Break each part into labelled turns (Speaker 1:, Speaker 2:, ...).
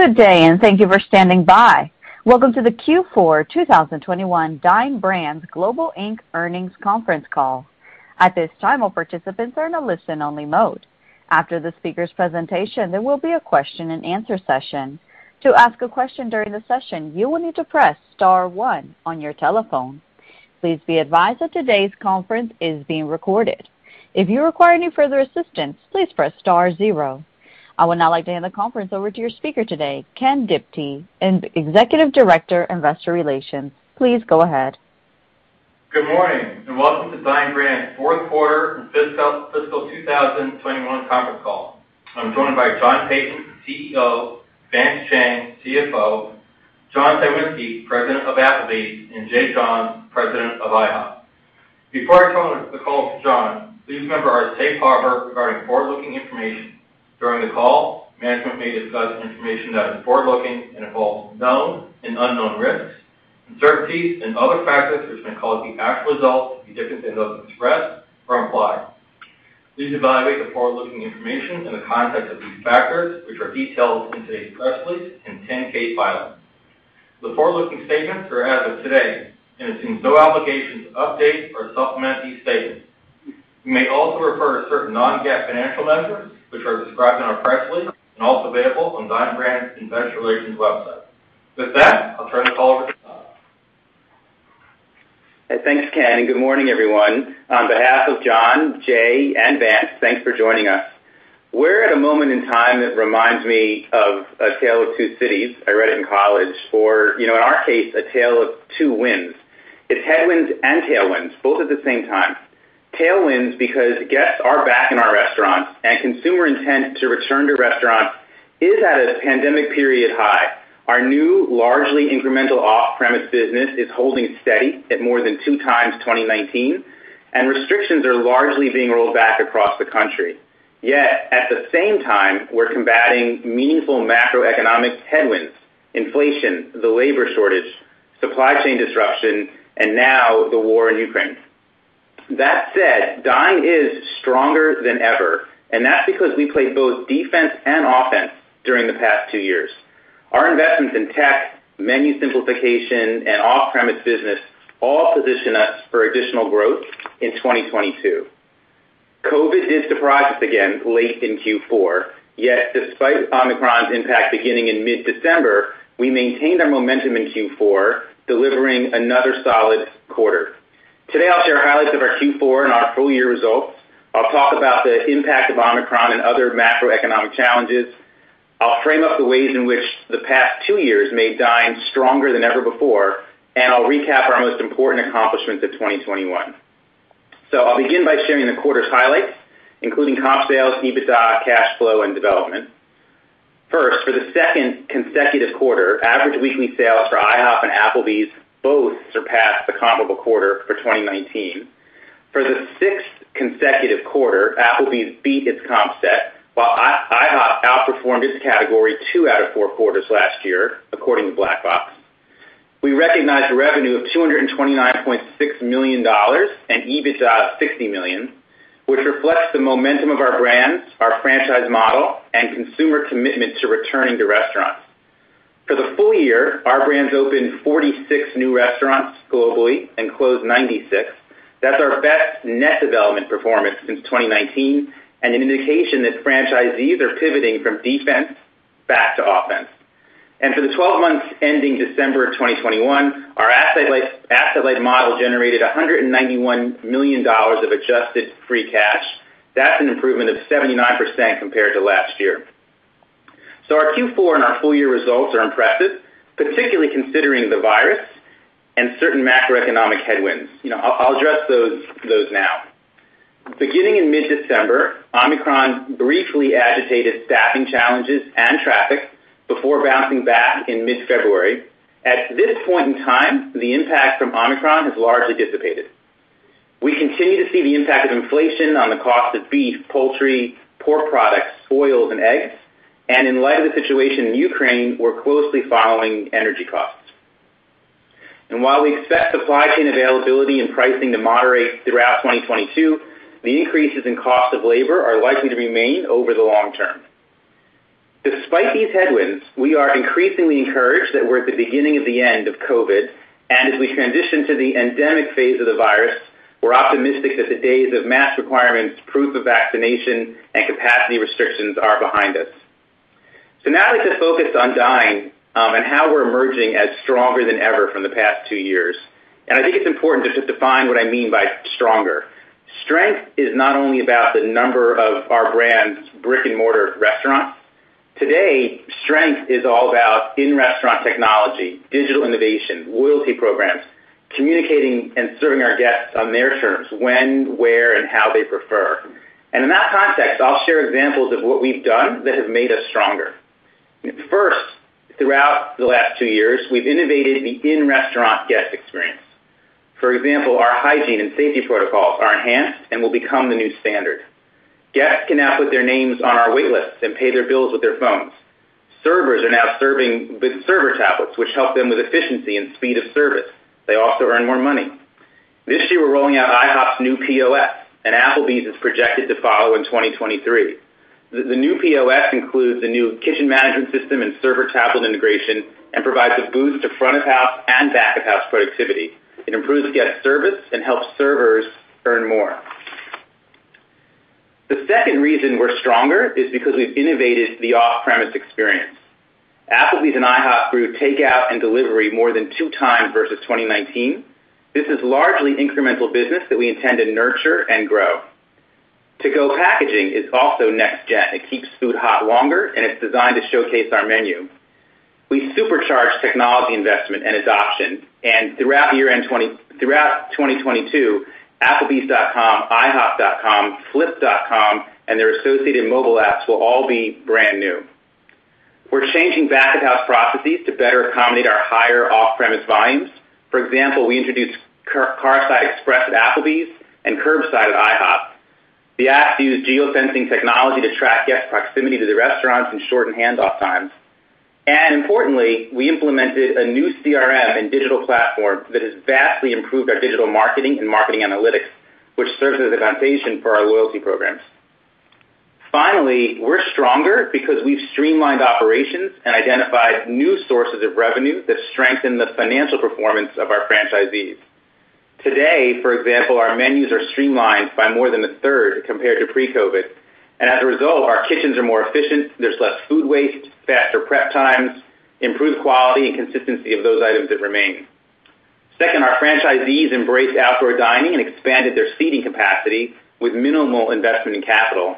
Speaker 1: Good day, and thank you for standing by. Welcome to the Q4 2021 Dine Brands Global Inc. Earnings Conference Call. At this time, all participants are in a listen-only mode. After the speaker's presentation, there will be a question-and-answer session. To ask a question during the session, you will need to press star 1 on your telephone. Please be advised that today's conference is being recorded. If you require any further assistance, please press star 0. I would now like to hand the conference over to your speaker today, Ken Diptee, Executive Director, Investor Relations. Please go ahead.
Speaker 2: Good morning, and welcome to Dine Brands Global's Fourth Quarter and Fiscal 2021 Conference Call. I'm joined by John Peyton, CEO, Vance Chang, CFO, John Cywinski, President of Applebee's, and Jay Johns, President of IHOP. Before I turn the call to John, please remember our safe harbor regarding forward-looking information. During the call, management may discuss information that is forward-looking and involves known and unknown risks, uncertainties and other factors which may cause the actual results to be different than those expressed or implied. Please evaluate the forward-looking information in the context of these factors, which are detailed in today's press release and 10-K filings. The forward-looking statements are as of today, and there's no obligation to update or supplement these statements. We may also refer to certain non-GAAP financial measures, which are described in our press release and also available on Dine Brands Global's investor relations website. With that, I'll turn the call over to John.
Speaker 3: Hey, thanks, Ken, and good morning, everyone. On behalf of John, Jay, and Vance, thanks for joining us. We're at a moment in time that reminds me of A Tale of Two Cities. I read it in college. For, you know, in our case, a tale of two winds. It's headwinds and tailwinds, both at the same time. Tailwinds because guests are back in our restaurants and consumer intent to return to restaurants is at a pandemic period high. Our new largely incremental off-premise business is holding steady at more than two times 2019, and restrictions are largely being rolled back across the country. Yet, at the same time, we're combating meaningful macroeconomic headwinds, inflation, the labor shortage, supply chain disruption, and now the war in Ukraine. That said, Dine is stronger than ever, and that's because we played both defense and offense during the past two years. Our investments in tech, menu simplification, and off-premise business all position us for additional growth in 2022. COVID did surprise us again late in Q4, yet despite Omicron's impact beginning in mid-December, we maintained our momentum in Q4, delivering another solid quarter. Today, I'll share highlights of our Q4 and our full-year results. I'll talk about the impact of Omicron and other macroeconomic challenges. I'll frame up the ways in which the past two years made Dine stronger than ever before, and I'll recap our most important accomplishments of 2021. I'll begin by sharing the quarter's highlights, including comp sales, EBITDA, cash flow, and development. First, for the second consecutive quarter, average weekly sales for IHOP and Applebee's both surpassed the comparable quarter for 2019. For the sixth consecutive quarter, Applebee's beat its comp set, while IHOP outperformed its category two out of four quarters last year according to Black Box. We recognized a revenue of $229.6 million and EBITDA of $60 million, which reflects the momentum of our brands, our franchise model, and consumer commitment to returning to restaurants. For the full year, our brands opened 46 new restaurants globally and closed 96. That's our best net development performance since 2019 and an indication that franchisees are pivoting from defense back to offense. For the twelve months ending December of 2021, our asset-light model generated $191 million of adjusted free cash. That's an improvement of 79% compared to last year. Our Q4 and our full-year results are impressive, particularly considering the virus and certain macroeconomic headwinds. You know, I'll address those now. Beginning in mid-December, Omicron briefly agitated staffing challenges and traffic before bouncing back in mid-February. At this point in time, the impact from Omicron has largely dissipated. We continue to see the impact of inflation on the cost of beef, poultry, pork products, oils, and eggs. In light of the situation in Ukraine, we're closely following energy costs. While we expect supply chain availability and pricing to moderate throughout 2022, the increases in cost of labor are likely to remain over the long term. Despite these headwinds, we are increasingly encouraged that we're at the beginning of the end of COVID, and as we transition to the endemic phase of the virus, we're optimistic that the days of mask requirements, proof of vaccination, and capacity restrictions are behind us. Now let's just focus on Dine, and how we're emerging as stronger than ever from the past two years, and I think it's important just to define what I mean by stronger. Strength is not only about the number of our brand's brick-and-mortar restaurants. Today, strength is all about in-restaurant technology, digital innovation, loyalty programs, communicating and serving our guests on their terms when, where, and how they prefer. In that context, I'll share examples of what we've done that have made us stronger. First, throughout the last two years, we've innovated the in-restaurant guest experience. For example, our hygiene and safety protocols are enhanced and will become the new standard. Guests can now put their names on our waitlists and pay their bills with their phones. Servers are now serving with server tablets, which help them with efficiency and speed of service. They also earn more money. This year, we're rolling out IHOP's new POS, and Applebee's is projected to follow in 2023. The new POS includes the new kitchen management system and server tablet integration and provides a boost to front of house and back-of-house productivity. It improves guest service and helps servers earn more. The second reason we're stronger is because we've innovated the off-premise experience. Applebee's and IHOP grew takeout and delivery more than two times versus 2019. This is largely incremental business that we intend to nurture and grow. To-go packaging is also next gen. It keeps food hot longer, and it's designed to showcase our menu. We supercharged technology investment and adoption, and throughout 2022, applebees.com, ihop.com, flip.com, and their associated mobile apps will all be brand new. We're changing back-of-house processes to better accommodate our higher off-premise volumes. For example, we introduced carside express at Applebee's and curbside at IHOP. The apps use geosensing technology to track guest proximity to the restaurants and shorten handoff times. Importantly, we implemented a new CRM and digital platform that has vastly improved our digital marketing and marketing analytics, which serves as a foundation for our loyalty programs. Finally, we're stronger because we've streamlined operations and identified new sources of revenue that strengthen the financial performance of our franchisees. Today, for example, our menus are streamlined by more than a third compared to pre-COVID, and as a result, our kitchens are more efficient, there's less food waste, faster prep times, improved quality, and consistency of those items that remain. Second, our franchisees embraced outdoor dining and expanded their seating capacity with minimal investment in capital.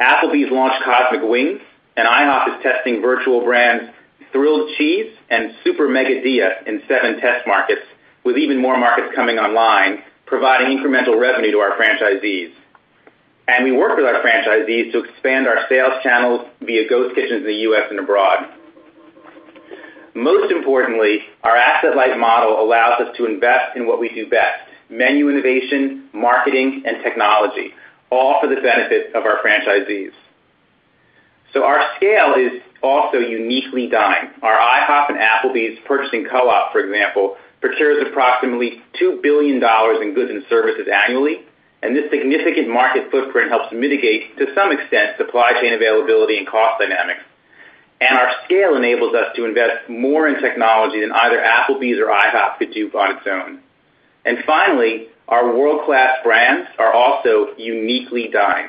Speaker 3: Applebee's launched Cosmic Wings, and IHOP is testing virtual brands Thrilled Cheese and Super Mega Dilla in seven test markets with even more markets coming online, providing incremental revenue to our franchisees. We work with our franchisees to expand our sales channels via ghost kitchens in the U.S. and abroad. Most importantly, our asset-light model allows us to invest in what we do best, menu innovation, marketing, and technology, all for the benefit of our franchisees. Our scale is also uniquely Dine. Our IHOP and Applebee's purchasing co-op, for example, procures approximately $2 billion in goods and services annually, and this significant market footprint helps mitigate, to some extent, supply chain availability and cost dynamics. Our scale enables us to invest more in technology than either Applebee's or IHOP could do on its own. Finally, our world-class brands are also uniquely Dine.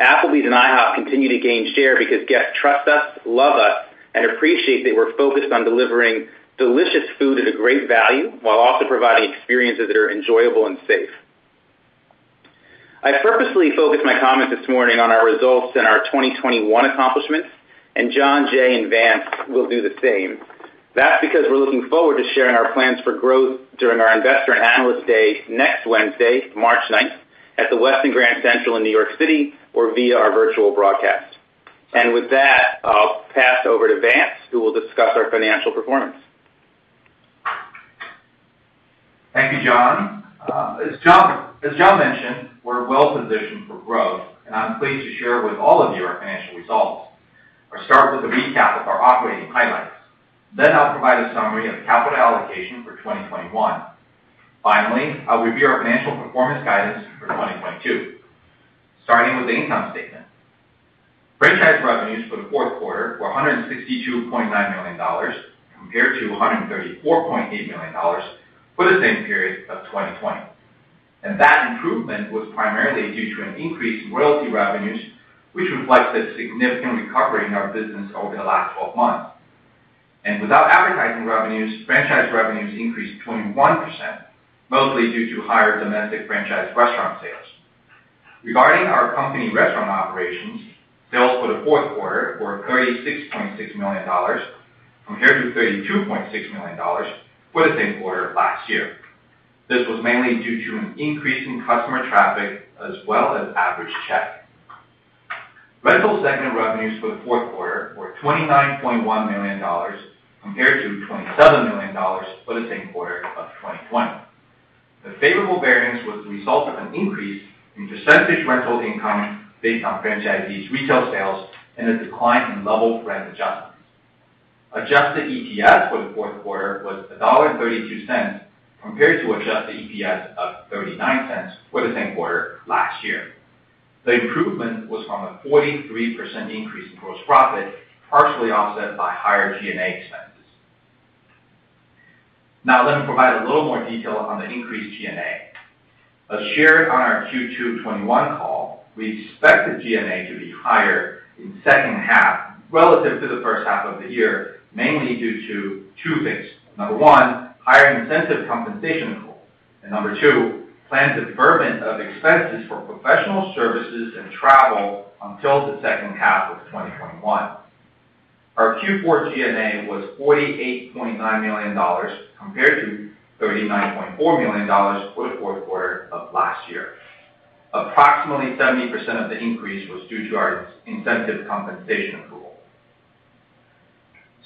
Speaker 3: Applebee's and IHOP continue to gain share because guests trust us, love us, and appreciate that we're focused on delivering delicious food at a great value while also providing experiences that are enjoyable and safe. I purposely focused my comments this morning on our results and our 2021 accomplishments, and John, Jay, and Vance will do the same. That's because we're looking forward to sharing our plans for growth during our Investor and Analyst Day next Wednesday, March 9, at the Westin Grand Central in New York City or via our virtual broadcast. With that, I'll pass over to Vance, who will discuss our financial performance.
Speaker 4: Thank you, John. As John mentioned, we're well-positioned for growth, and I'm pleased to share with all of you our financial results. I'll start with a recap of our operating highlights. Then I'll provide a summary of capital allocation for 2021. Finally, I'll review our financial performance guidance for 2022. Starting with the income statement. Franchise revenues for the fourth quarter were $162.9 million compared to $134.8 million for the same period of 2020. That improvement was primarily due to an increase in royalty revenues, which reflects a significant recovery in our business over the last twelve months. Without advertising revenues, franchise revenues increased 21%, mostly due to higher domestic franchise restaurant sales. Regarding our company restaurant operations, sales for the fourth quarter were $36.6 million compared to $32.6 million for the same quarter last year. This was mainly due to an increase in customer traffic as well as average check. Rental segment revenues for the fourth quarter were $29.1 million compared to $27 million for the same quarter of 2020. The favorable variance was the result of an increase in percentage rental income based on franchisees' retail sales and a decline in level rent adjustments. Adjusted EPS for the fourth quarter was $1.32 compared to adjusted EPS of $0.39 for the same quarter last year. The improvement was from a 43% increase in gross profit, partially offset by higher G&A expenses. Now let me provide a little more detail on the increased G&A. As shared on our Q2 2021 call, we expected G&A to be higher in second half relative to the first half of the year, mainly due to two things. Number one, higher incentive compensation goals. Number two, planned deferment of expenses for professional services and travel until the second half of 2021. Our Q4 G&A was $48.9 million compared to $39.4 million for the fourth quarter of last year. Approximately 70% of the increase was due to our incentive compensation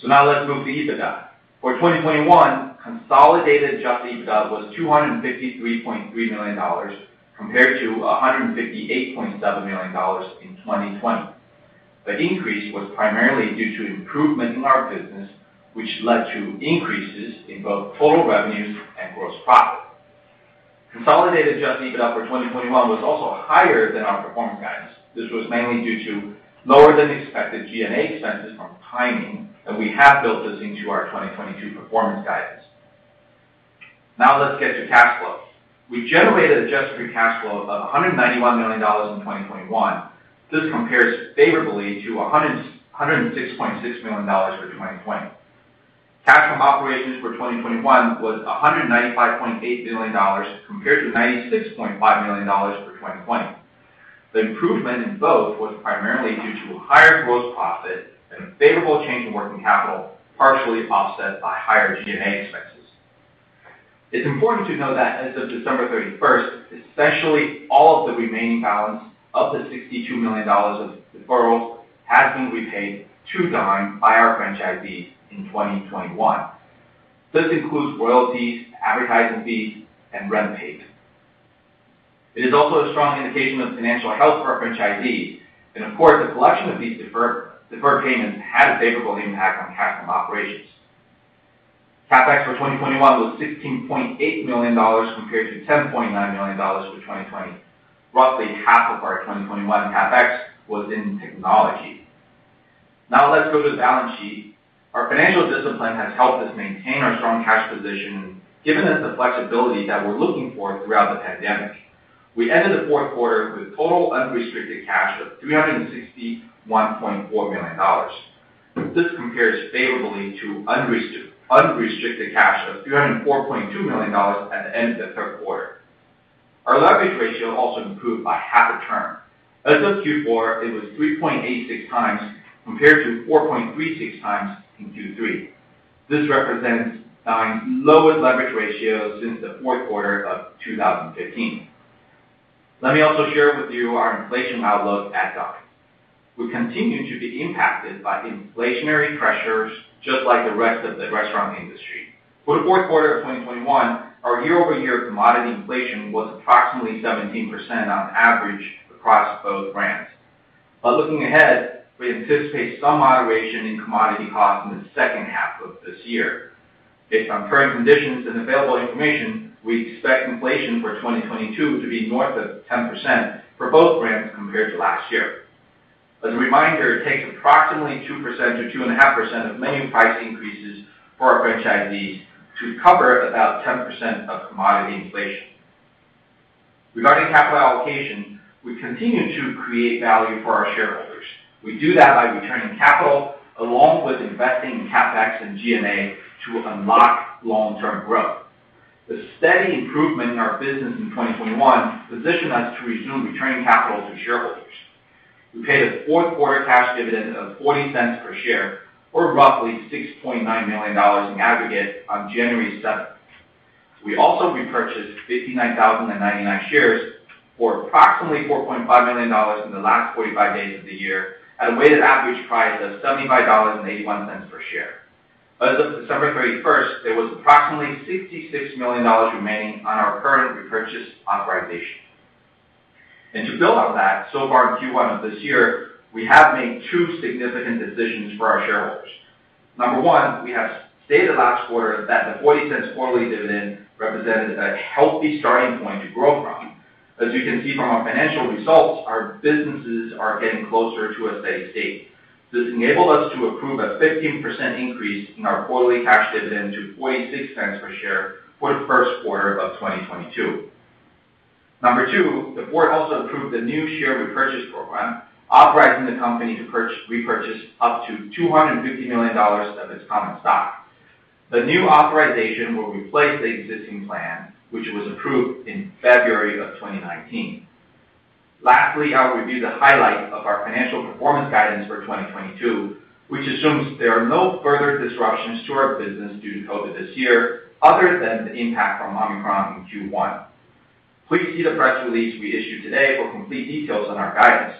Speaker 4: accrual. Now let's move to EBITDA. For 2021, consolidated Adjusted EBITDA was $253.3 million compared to $158.7 million in 2020. The increase was primarily due to improvement in our business, which led to increases in both total revenues and gross profit. Consolidated Adjusted EBITDA for 2021 was also higher than our performance guidance. This was mainly due to lower-than-expected G&A expenses from timing, and we have built this into our 2022 performance guidance. Now let's get to cash flows. We generated adjusted free cash flow of $191 million in 2021. This compares favorably to $106.6 million for 2020. Cash from operations for 2021 was $195.8 million compared to $96.5 million for 2020. The improvement in both was primarily due to higher gross profit and a favorable change in working capital, partially offset by higher G&A expenses. It's important to note that as of December 31, essentially all of the remaining balance of the $62 million of deferrals has been repaid to Dine by our franchisees in 2021. This includes royalties, advertising fees, and rent paid. It is also a strong indication of the financial health for our franchisees. Of course, the collection of these deferred payments had a favorable impact on cash from operations. CapEx for 2021 was $16.8 million compared to $10.9 million for 2020. Roughly half of our 2021 CapEx was in technology. Now let's go to the balance sheet. Our financial discipline has helped us maintain our strong cash position, giving us the flexibility that we're looking for throughout the pandemic. We ended the fourth quarter with total unrestricted cash of $361.4 million. This compares favorably to unrestricted cash of $304.2 million at the end of the third quarter. Our leverage ratio also improved by half a turn. As of Q4, it was 3.86x compared to 4.36x in Q3. This represents Dine's lowest leverage ratio since the fourth quarter of 2015. Let me also share with you our inflation outlook at Dine. We continue to be impacted by inflationary pressures just like the rest of the restaurant industry. For the fourth quarter of 2021, our year-over-year commodity inflation was approximately 17% on average across both brands. By looking ahead, we anticipate some moderation in commodity costs in the second half of this year. Based on current conditions and available information, we expect inflation for 2022 to be north of 10% for both brands compared to last year. As a reminder, it takes approximately 2%-2.5% of menu price increases for our franchisees to cover about 10% of commodity inflation. Regarding capital allocation, we continue to create value for our shareholders. We do that by returning capital along with investing in CapEx and G&A to unlock long-term growth. The steady improvement in our business in 2021 positioned us to resume returning capital to shareholders. We paid a fourth quarter cash dividend of $0.40 per share, or roughly $6.9 million in aggregate on January 7. We also repurchased 59,099 shares for approximately $4.5 million in the last 45 days of the year at a weighted average price of $75.81 per share. As of December 31, there was approximately $66 million remaining on our current repurchase authorization. To build on that, so far in Q1 of this year, we have made 2 significant decisions for our shareholders. Number 1, we have stated last quarter that the 40 cents quarterly dividend represented a healthy starting point to grow from. As you can see from our financial results, our businesses are getting closer to a steady state. This enabled us to approve a 15% increase in our quarterly cash dividend to $0.46 per share for the first quarter of 2022. Number two, the board also approved a new share repurchase program, authorizing the company to purchase up to $250 million of its common stock. The new authorization will replace the existing plan, which was approved in February of 2019. Lastly, I'll review the highlights of our financial performance guidance for 2022, which assumes there are no further disruptions to our business due to COVID this year other than the impact from Omicron in Q1. Please see the press release we issued today for complete details on our guidance.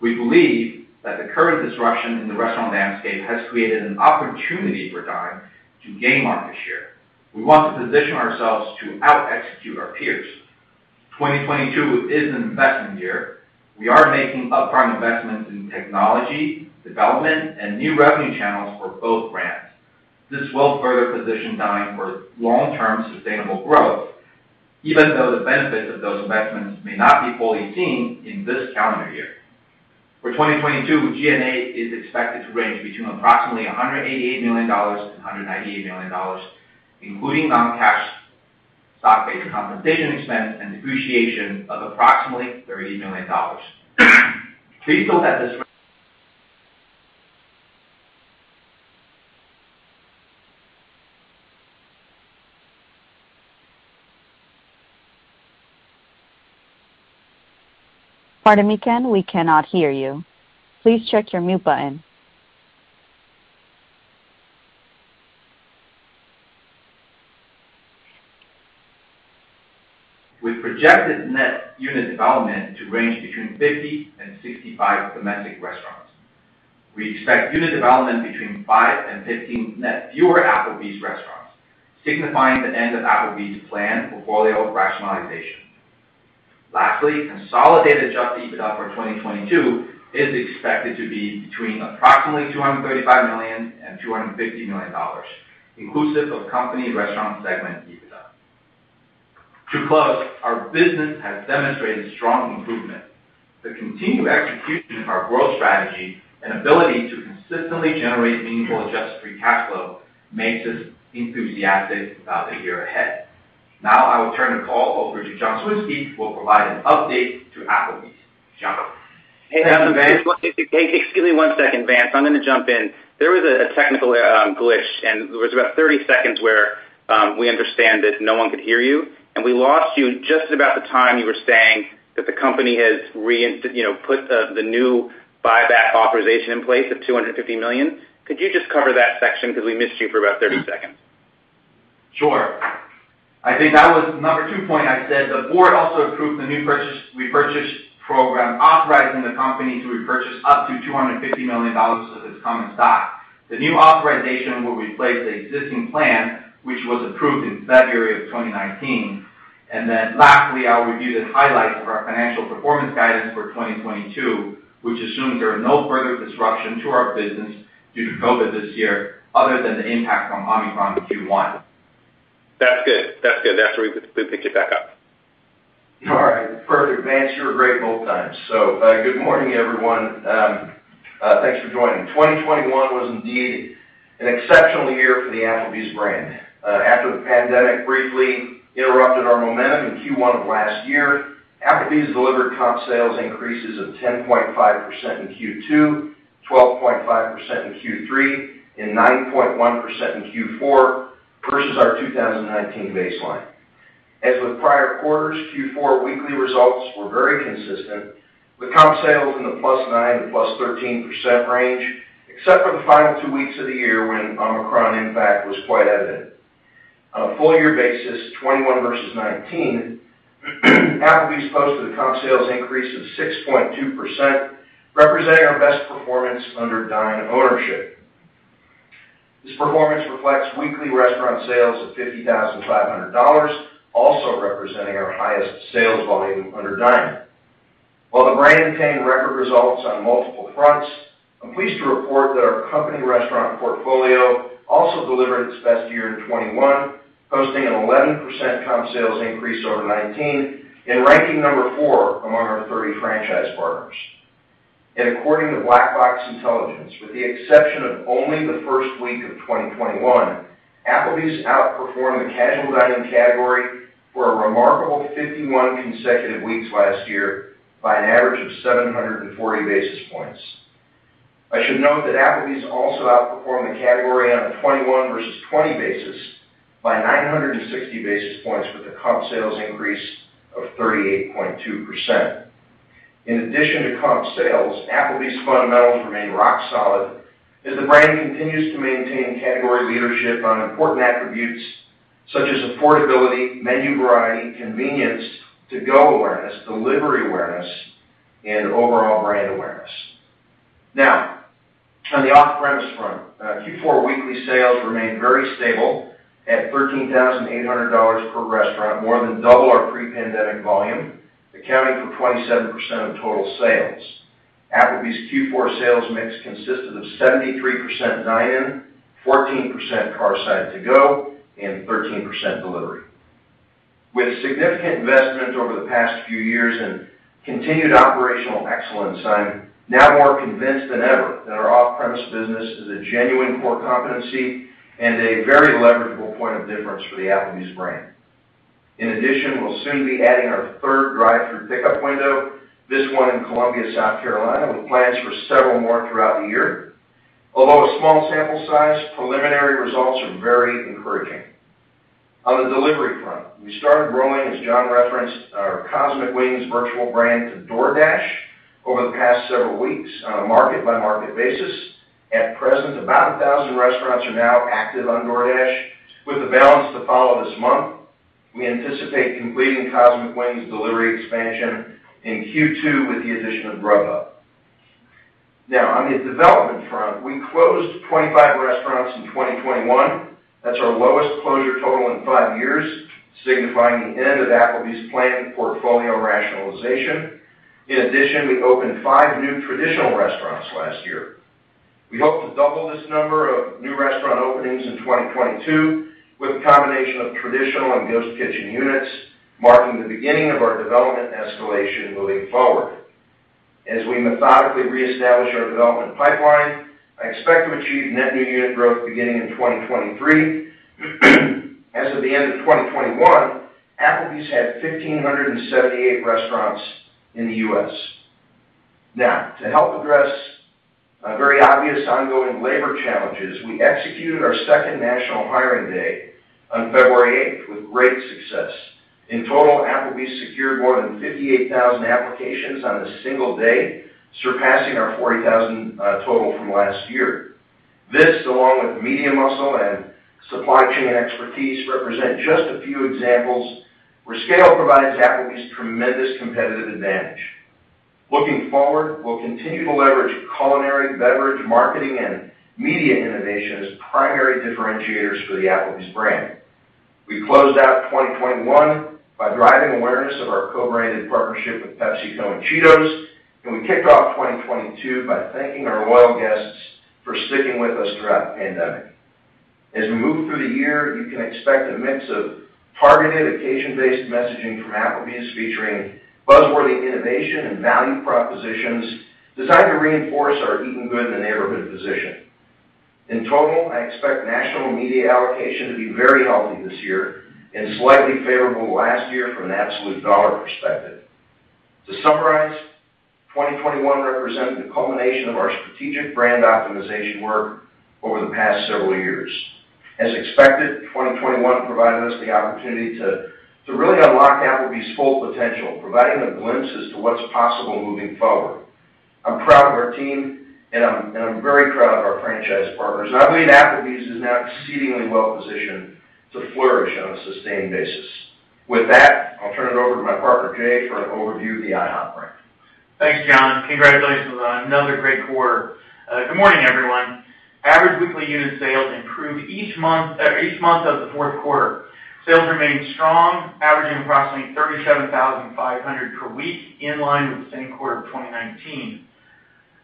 Speaker 4: We believe that the current disruption in the restaurant landscape has created an opportunity for Dine to gain market share. We want to position ourselves to out execute our peers. 2022 is an investment year. We are making upfront investments in technology, development, and new revenue channels for both brands. This will further position Dine for long-term sustainable growth, even though the benefits of those investments may not be fully seen in this calendar year. For 2022, G&A is expected to range between approximately $188 million-$198 million, including non-cash stock-based compensation expense and depreciation of approximately $30 million. Please note that this re-
Speaker 1: Pardon me, Ken. We cannot hear you. Please check your mute button.
Speaker 4: We projected net unit development to range between 50 and 65 domestic restaurants. We expect unit development between 5 and 15 net fewer Applebee's restaurants, signifying the end of Applebee's plan for portfolio rationalization. Lastly, consolidated Adjusted EBITDA for 2022 is expected to be between approximately $235 million and $250 million, inclusive of company restaurant Segment EBITDA. To close, our business has demonstrated strong improvement. The continued execution of our growth strategy and ability to consistently generate meaningful adjusted free cash flow makes us enthusiastic about the year ahead. Now I will turn the call over to John Cywinski, who will provide an update to Applebee's. John?
Speaker 3: Hey, Vance. Hey, excuse me one second, Vance. I'm gonna jump in. There was a technical glitch, and there was about 30 seconds where we understand that no one could hear you, and we lost you just about the time you were saying that the company has you know put the new buyback authorization in place of $250 million. Could you just cover that section because we missed you for about 30 seconds?
Speaker 4: Sure. I think that was number two point I said. The board also approved the new repurchase program authorizing the company to repurchase up to $250 million of its common stock. The new authorization will replace the existing plan, which was approved in February 2019. Lastly, I'll review the highlights of our financial performance guidance for 2022, which assumes there are no further disruption to our business due to COVID this year other than the impact from Omicron in Q1.
Speaker 3: That's good. That's good. That's where we could pick it back up.
Speaker 5: All right. Perfect. Vance, you were great both times. Good morning, everyone. Thanks for joining. 2021 was indeed an exceptional year for the Applebee's brand. After the pandemic briefly interrupted our momentum in Q1 of last year, Applebee's delivered comp sales increases of 10.5% in Q2, 12.5% in Q3, and 9.1% in Q4 versus our 2019 baseline. As with prior quarters, Q4 weekly results were very consistent, with comp sales in the +9% to +13% range, except for the final two weeks of the year when Omicron impact was quite evident. On a full year basis, 2021 versus 2019, Applebee's posted a comp sales increase of 6.2%, representing our best performance under Dine ownership. This performance reflects weekly restaurant sales of $50,500, also representing our highest sales volume under Dine. While the brand attained record results on multiple fronts, I'm pleased to report that our company restaurant portfolio also delivered its best year in 2021, posting an 11% comp sales increase over 2019 and ranking number 4 among our 30 franchise partners. According to Black Box Intelligence, with the exception of only the first week of 2021, Applebee's outperformed the casual dining category for a remarkable 51 consecutive weeks last year by an average of 740 basis points. I should note that Applebee's also outperformed the category on a 2021 versus 2020 basis by 960 basis points with a comp sales increase of 38.2%. In addition to comp sales, Applebee's fundamentals remain rock solid as the brand continues to maintain category leadership on important attributes such as affordability, menu variety, convenience, to-go awareness, delivery awareness, and overall brand awareness. Now, on the off-premise front, Q4 weekly sales remained very stable at $13,800 per restaurant, more than double our pre-pandemic volume, accounting for 27% of total sales. Applebee's Q4 sales mix consisted of 73% dine-in, 14% Carside To Go, and 13% delivery. With significant investment over the past few years and continued operational excellence, I'm now more convinced than ever that our off-premise business is a genuine core competency and a very leverageable point of difference for the Applebee's brand. In addition, we'll soon be adding our third drive-through pickup window, this one in Columbia, South Carolina, with plans for several more throughout the year. Although a small sample size, preliminary results are very encouraging. On the delivery front, we started growing, as John referenced, our Cosmic Wings virtual brand to DoorDash over the past several weeks on a market-by-market basis. At present, about 1,000 restaurants are now active on DoorDash, with the balance to follow this month. We anticipate completing Cosmic Wings delivery expansion in Q2 with the addition of Grubhub. Now, on the development front, we closed 25 restaurants in 2021. That's our lowest closure total in five years, signifying the end of Applebee's planned portfolio rationalization. In addition, we opened five new traditional restaurants last year. We hope to double this number of new restaurant openings in 2022 with a combination of traditional and ghost kitchen units, marking the beginning of our development escalation moving forward. As we methodically reestablish our development pipeline, I expect to achieve net new unit growth beginning in 2023. As of the end of 2021, Applebee's had 1,578 restaurants in the U.S. Now, to help address very obvious ongoing labor challenges, we executed our second national hiring day on February 8 with great success. In total, Applebee's secured more than 58,000 applications on a single day, surpassing our 40,000 total from last year. This, along with media muscle and supply chain expertise, represent just a few examples where scale provides Applebee's tremendous competitive advantage. Looking forward, we'll continue to leverage culinary, beverage, marketing, and media innovation as primary differentiators for the Applebee's brand. We closed out 2021 by driving awareness of our co-branded partnership with PepsiCo and Cheetos, and we kicked off 2022 by thanking our loyal guests for sticking with us throughout the pandemic. As we move through the year, you can expect a mix of targeted occasion-based messaging from Applebee's, featuring buzzworthy innovation and value propositions designed to reinforce our eating good in the neighborhood position. In total, I expect national media allocation to be very healthy this year and slightly favorable last year from an absolute dollar perspective. To summarize, 2021 represented the culmination of our strategic brand optimization work over the past several years. As expected, 2021 provided us the opportunity to really unlock Applebee's full potential, providing a glimpse as to what's possible moving forward. I'm proud of our team, and I'm very proud of our franchise partners, and I believe Applebee's is now exceedingly well positioned to flourish on a sustained basis. With that, I'll turn it over to my partner, Jay, for an overview of the IHOP brand.
Speaker 6: Thanks, John. Congratulations on another great quarter. Good morning, everyone. Average weekly unit sales improved each month of the fourth quarter. Sales remained strong, averaging approximately 37,500 per week, in line with the same quarter of 2019.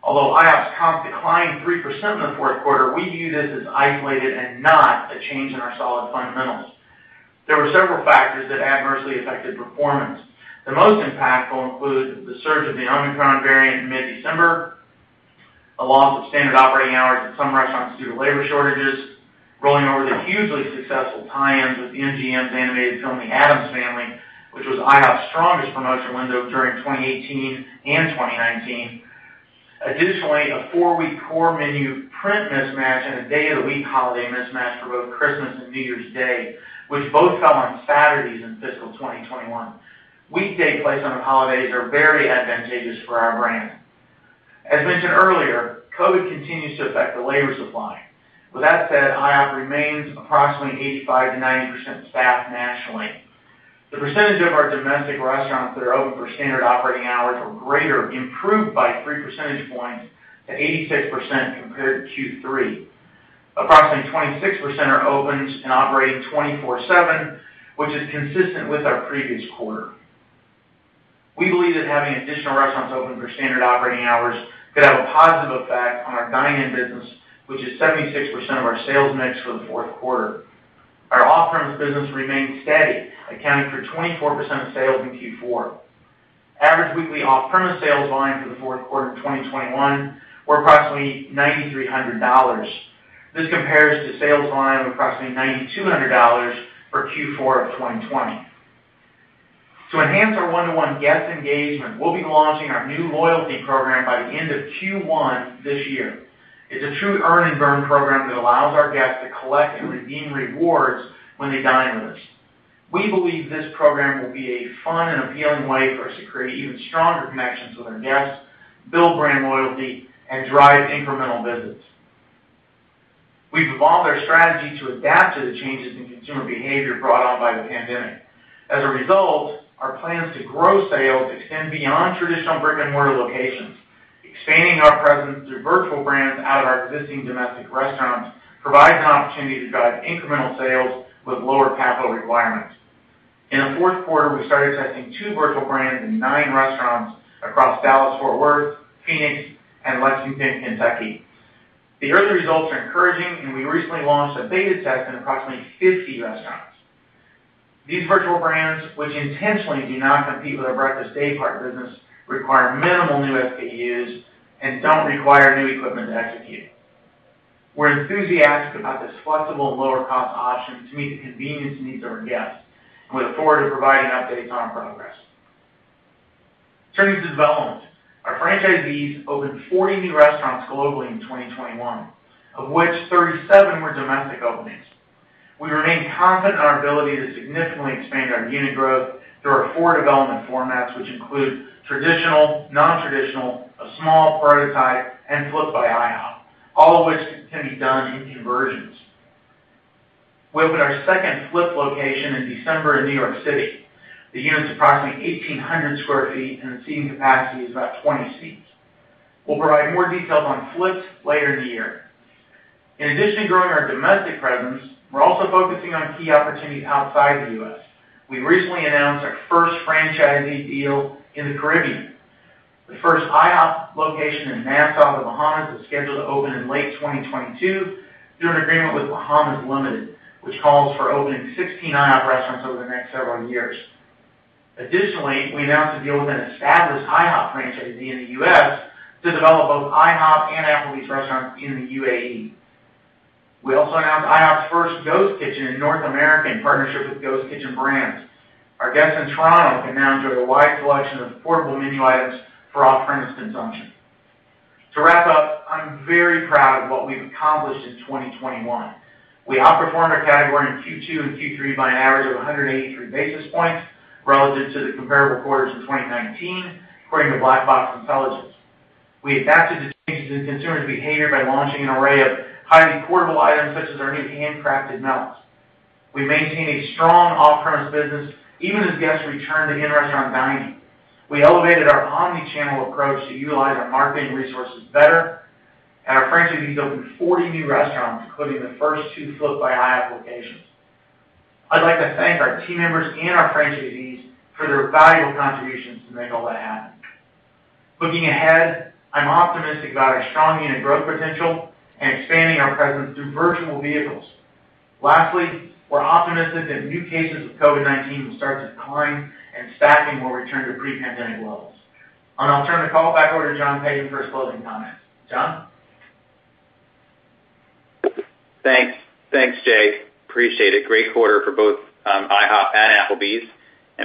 Speaker 6: Although IHOP's comp declined 3% in the fourth quarter, we view this as isolated and not a change in our solid fundamentals. There were several factors that adversely affected performance. The most impactful include the surge of the Omicron variant in mid-December, a loss of standard operating hours at some restaurants due to labor shortages, rolling over the hugely successful tie-ins with MGM's animated film, The Addams Family, which was IHOP's strongest promotion window during 2018 and 2019. Additionally, a four-week core menu print mismatch and a day of the week holiday mismatch for both Christmas and New Year's Day, which both fell on Saturdays in fiscal 2021. Weekday placement of holidays are very advantageous for our brand. As mentioned earlier, COVID continues to affect the labor supply. With that said, IHOP remains approximately 85%-90% staffed nationally. The percentage of our domestic restaurants that are open for standard operating hours or greater improved by three percentage points to 86% compared to Q3. Approximately 26% are open and operating 24/7, which is consistent with our previous quarter. We believe that having additional restaurants open for standard operating hours could have a positive effect on our dine-in business, which is 76% of our sales mix for the fourth quarter. Our off-premise business remained steady, accounting for 24% of sales in Q4. Average weekly off-premise sales volume for the fourth quarter of 2021 were approximately $9,300. This compares to sales volume of approximately $9,200 for Q4 of 2020. To enhance our one-to-one guest engagement, we'll be launching our new loyalty program by the end of Q1 this year. It's a true earn and burn program that allows our guests to collect and redeem rewards when they dine with us. We believe this program will be a fun and appealing way for us to create even stronger connections with our guests, build brand loyalty, and drive incremental visits. We've evolved our strategy to adapt to the changes in consumer behavior brought on by the pandemic. As a result, our plans to grow sales extend beyond traditional brick-and-mortar locations. Expanding our presence through virtual brands out of our existing domestic restaurants provides an opportunity to drive incremental sales with lower capital requirements. In the fourth quarter, we started testing two virtual brands in 9 restaurants across Dallas-Fort Worth, Phoenix, and Lexington, Kentucky. The early results are encouraging, and we recently launched a beta test in approximately 50 restaurants. These virtual brands, which intentionally do not compete with our breakfast daypart business, require minimal new SKUs and don't require new equipmetnt to execute. We're enthusiastic about this flexible and lower cost option to meet the convenience needs of our guests and look forward to providing updates on our progress. Turning to development, our franchisees opened 40 new restaurants globally in 2021, of which 37 were domestic openings. We remain confident in our ability to significantly expand our unit growth through our four development formats, which include traditional, nontraditional, a small prototype, and Flip'd by IHOP, all of which can be done in conversions. We opened our second Flip'd location in December in New York City. The unit's approximately 1,800 sq ft, and the seating capacity is about 20 seats. We'll provide more details on Flip'd later in the year. In addition to growing our domestic presence, we're also focusing on key opportunities outside the U.S. We recently announced our first franchisee deal in the Caribbean. The first IHOP location in Nassau, The Bahamas, is scheduled to open in late 2022 through an agreement with Bahamas Limited, which calls for opening 16 IHOP restaurants over the next several years. Additionally, we announced a deal with an established IHOP franchisee in the U.S. to develop both IHOP and Applebee's restaurants in the UAE. We also announced IHOP's first ghost kitchen in North America in partnership with Ghost Kitchen Brands. Our guests in Toronto can now enjoy a wide selection of portable menu items for off-premise consumption. To wrap up, I'm very proud of what we've accomplished in 2021. We outperformed our category in Q2 and Q3 by an average of 183 basis points relative to the comparable quarters in 2019, according to Black Box Intelligence. We adapted to changes in consumers' behavior by launching an array of highly portable items, such as our new handcrafted melts. We maintained a strong off-premise business even as guests returned to in-restaurant dining. We elevated our omni-channel approach to utilize our marketing resources better, and our franchisees opened 40 new restaurants, including the first 2 Flip'd by IHOP locations. I'd like to thank our team members and our franchisees for their valuable contributions to make all that happen. Looking ahead, I'm optimistic about our strong unit growth potential and expanding our presence through virtual vehicles. Lastly, we're optimistic that new cases of COVID-19 will start to decline and staffing will return to pre-pandemic levels. I'll turn the call back over to John Peyton for his closing comments. John?
Speaker 3: Thanks. Thanks, Jay. Appreciate it. Great quarter for both, IHOP and Applebee's.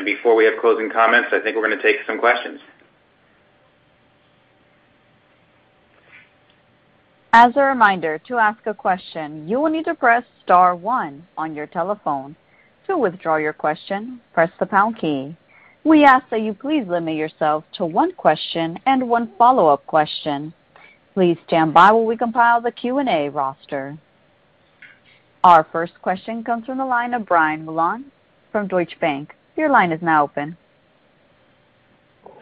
Speaker 3: Before we have closing comments, I think we're gonna take some questions.
Speaker 1: As a reminder, to ask a question, you will need to press star one on your telephone. To withdraw your question, press the pound key. We ask that you please limit yourself to one question and one follow-up question. Please stand by while we compile the Q&A roster. Our first question comes from the line of Brian Mullan from Deutsche Bank. Your line is now open.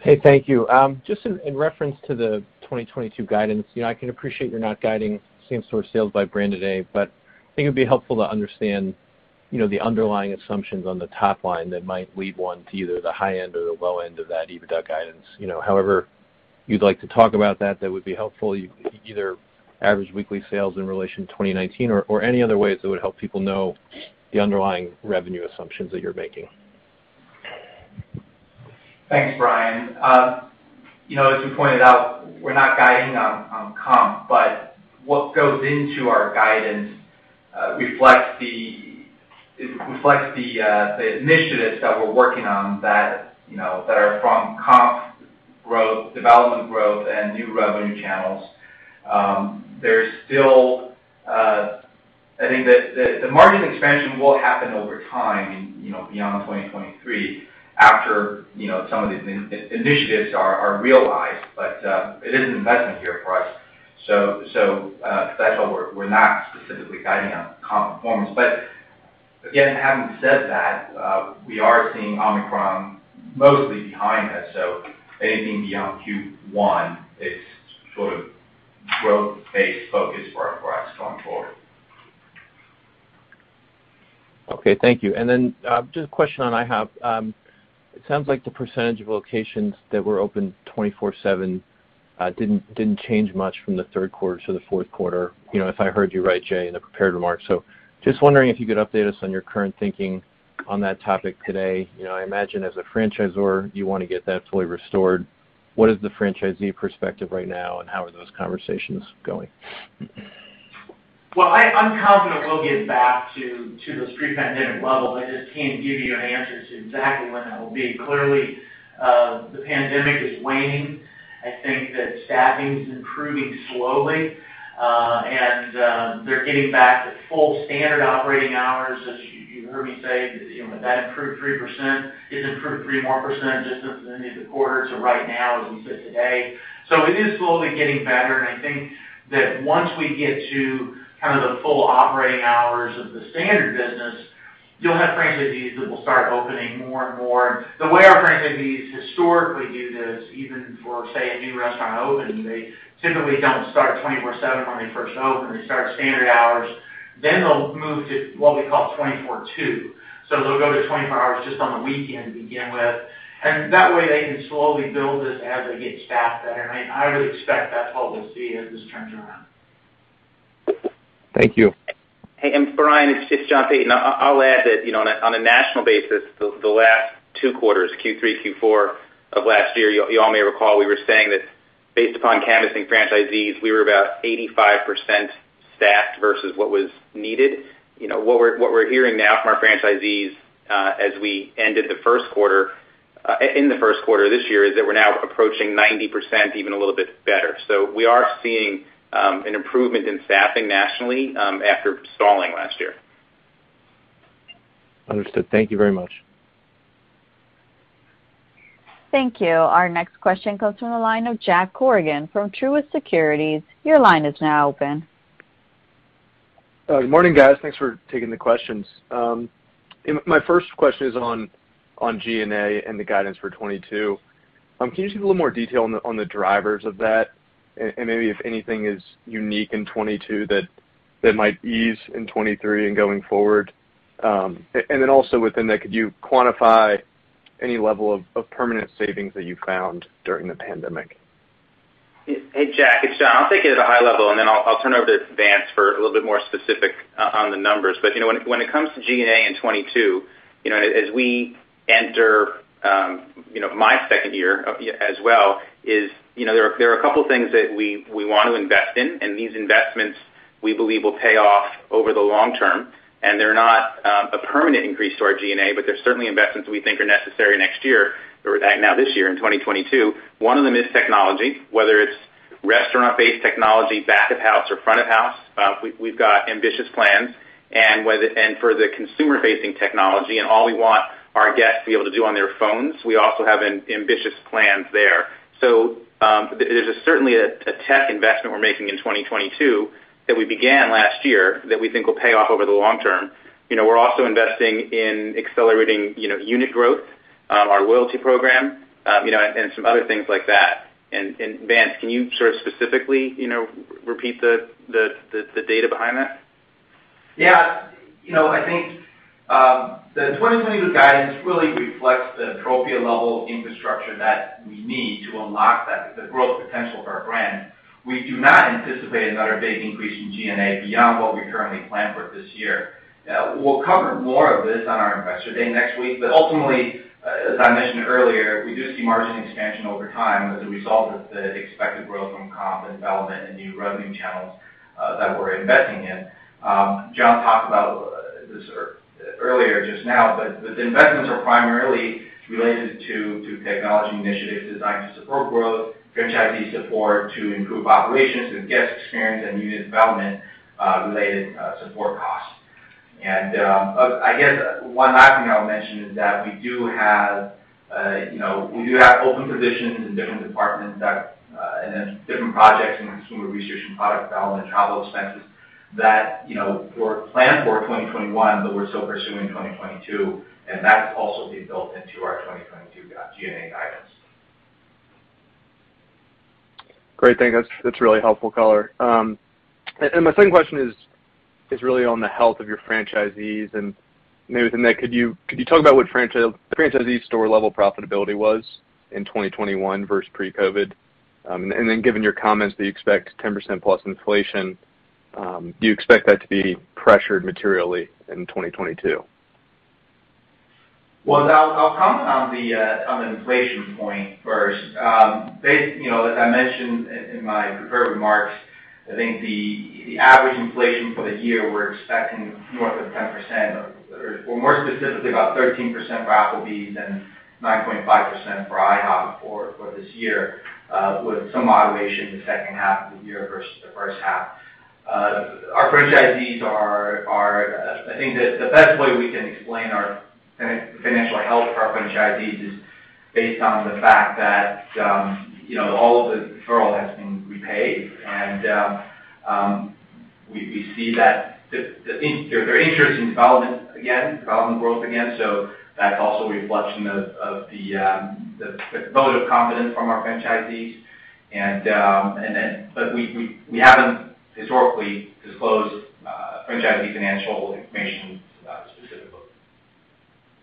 Speaker 7: Hey, thank you. Just in reference to the 2022 guidance, you know, I can appreciate you're not guiding same-store sales by brand today, but I think it'd be helpful to understand, you know, the underlying assumptions on the top line that might lead one to either the high end or the low end of that EBITDA guidance. You know, however you'd like to talk about that would be helpful. Either average weekly sales in relation to 2019 or any other ways that would help people know the underlying revenue assumptions that you're making.
Speaker 3: Thanks, Brian. You know, as you pointed out, we're not guiding on comp, but what goes into our guidance reflects the initiatives that we're working on that are from comp growth, development growth, and new revenue channels. There's still I think the margin expansion will happen over time and, you know, beyond 2023 after some of these initiatives are realized, but it is an investment year for us. That's why we're not specifically guiding on comp performance. Again, having said that, we are seeing Omicron mostly behind us. Anything beyond Q1 is sort of growth-based focus for our forecast going forward.
Speaker 7: Okay. Thank you. Then, just a question on IHOP. It sounds like the percentage of locations that were open 24/7 didn't change much from the third quarter to the fourth quarter, you know, if I heard you right, Jay, in the prepared remarks. Just wondering if you could update us on your current thinking on that topic today. You know, I imagine as a franchisor you wanna get that fully restored. What is the franchisee perspective right now, and how are those conversations going?
Speaker 6: I'm confident we'll get back to those pre-pandemic levels. I just can't give you an answer to exactly when that will be. Clearly, the pandemic is waning. I think that staffing is improving slowly, and they're getting back to full standard operating hours. As you heard me say, you know, that improved 3%. It's improved 3% more just at the end of the quarter to right now, as we sit today. It is slowly getting better, and I think that once we get to kind of the full operating hours of the standard business, you'll have franchisees that will start opening more and more. The way our franchisees historically do this, even for, say, a new restaurant opening, they typically don't start 24/7 when they first open. They start standard hours, then they'll move to what we call 24/2. They'll go to 24 hours just on the weekend to begin with. That way, they can slowly build this as they get staffed better. I would expect that's what we'll see as this turns around.
Speaker 7: Thank you.
Speaker 3: Hey, Brian, it's just John Peyton. I'll add that, you know, on a national basis, the last two quarters, Q3, Q4 of last year, you all may recall we were saying that based upon canvassing franchisees, we were about 85% staffed versus what was needed. You know, what we're hearing now from our franchisees, as we end the first quarter in the first quarter this year, is that we're now approaching 90%, even a little bit better. We are seeing an improvement in staffing nationally, after stalling last year.
Speaker 7: Understood. Thank you very much.
Speaker 1: Thank you. Our next question comes from the line of Jake Bartlett from Truist Securities. Your line is now open.
Speaker 8: Good morning, guys. Thanks for taking the questions. My first question is on G&A and the guidance for 2022. Can you give a little more detail on the drivers of that and maybe if anything is unique in 2022 that might ease in 2023 and going forward? And then also within that, could you quantify any level of permanent savings that you found during the pandemic?
Speaker 3: Hey, Jack, it's John. I'll take it at a high level, and then I'll turn over to Vance for a little bit more specific on the numbers. You know, when it comes to G&A in 2022, you know, as we enter my second year as well, there are a couple of things that we want to invest in, and these investments we believe will pay off over the long term. They're not a permanent increase to our G&A, but they're certainly investments we think are necessary next year, or now this year in 2022. One of them is technology, whether it's restaurant-based technology, back of house or front of house. We've got ambitious plans for the consumer-facing technology and all we want our guests to be able to do on their phones. We also have ambitious plans there. There's certainly a tech investment we're making in 2022 that we began last year that we think will pay off over the long term. You know, we're also investing in accelerating, you know, unit growth, our loyalty program, you know, and some other things like that. Vance Chang, can you sort of specifically, you know, repeat the data behind that?
Speaker 4: Yeah. You know, I think, the 2022 guidance really reflects the appropriate level of infrastructure that we need to unlock that, the growth potential of our brand. We do not anticipate another big increase in G&A beyond what we currently plan for this year. We'll cover more of this on our Investor Day next week. Ultimately, as I mentioned earlier, we do see margin expansion over time as a result of the expected growth from comp and development and new revenue channels that we're investing in. John talked about this earlier just now, but the investments are primarily related to technology initiatives designed to support growth, franchisee support to improve operations and guest experience, and unit development related support costs. I guess one last thing I'll mention is that we do have, you know, open positions in different departments that and then different projects in consumer research and product development and travel expenses that, were planned for 2021, but we're still pursuing 2022, and that's also being built into our 2022 G&A guidance.
Speaker 8: Great. Thank you. That's really helpful color. My second question is really on the health of your franchisees, and maybe then could you talk about what franchisee store level profitability was in 2021 versus pre-COVID? Then given your comments that you expect 10% plus inflation, do you expect that to be pressured materially in 2022?
Speaker 4: Well, I'll comment on the inflation point first. You know, as I mentioned in my prepared remarks, I think the average inflation for the year. We're expecting north of 10%, or more specifically about 13% for Applebee's and 9.5% for IHOP for this year, with some moderation in the second half of the year versus the first half. Our franchisees, I think the best way we can explain the financial health of our franchisees is based on the fact that you know, all of the deferral has been repaid. We see that they're interested in development and growth again. That's also a reflection of the vote of confidence from our franchisees. We haven't historically disclosed franchisee financial information specifically.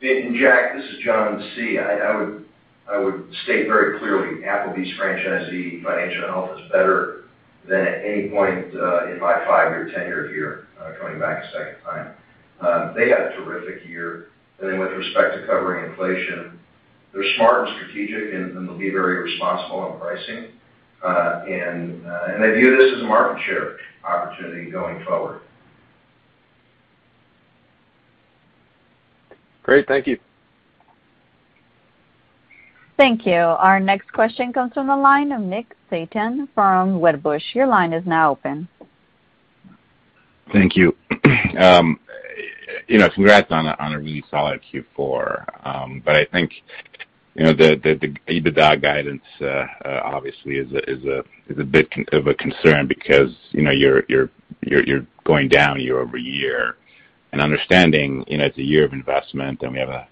Speaker 5: Vance and Jake, this is John C. I would state very clearly, Applebee's franchisee financial health is better than at any point in my five-year tenure here, coming back a second time. They had a terrific year. With respect to covering inflation, they're smart and strategic, and they'll be very responsible on pricing. They view this as a market share opportunity going forward.
Speaker 8: Great. Thank you.
Speaker 1: Thank you. Our next question comes from the line of Nick Setyan from Wedbush. Your line is now open.
Speaker 9: Thank you. You know, congrats on a really solid Q4. But I think, you know, the EBITDA guidance obviously is a bit of a concern because, you know, you're going down year-over-year. Understanding, you know, it's a year of investment, and we have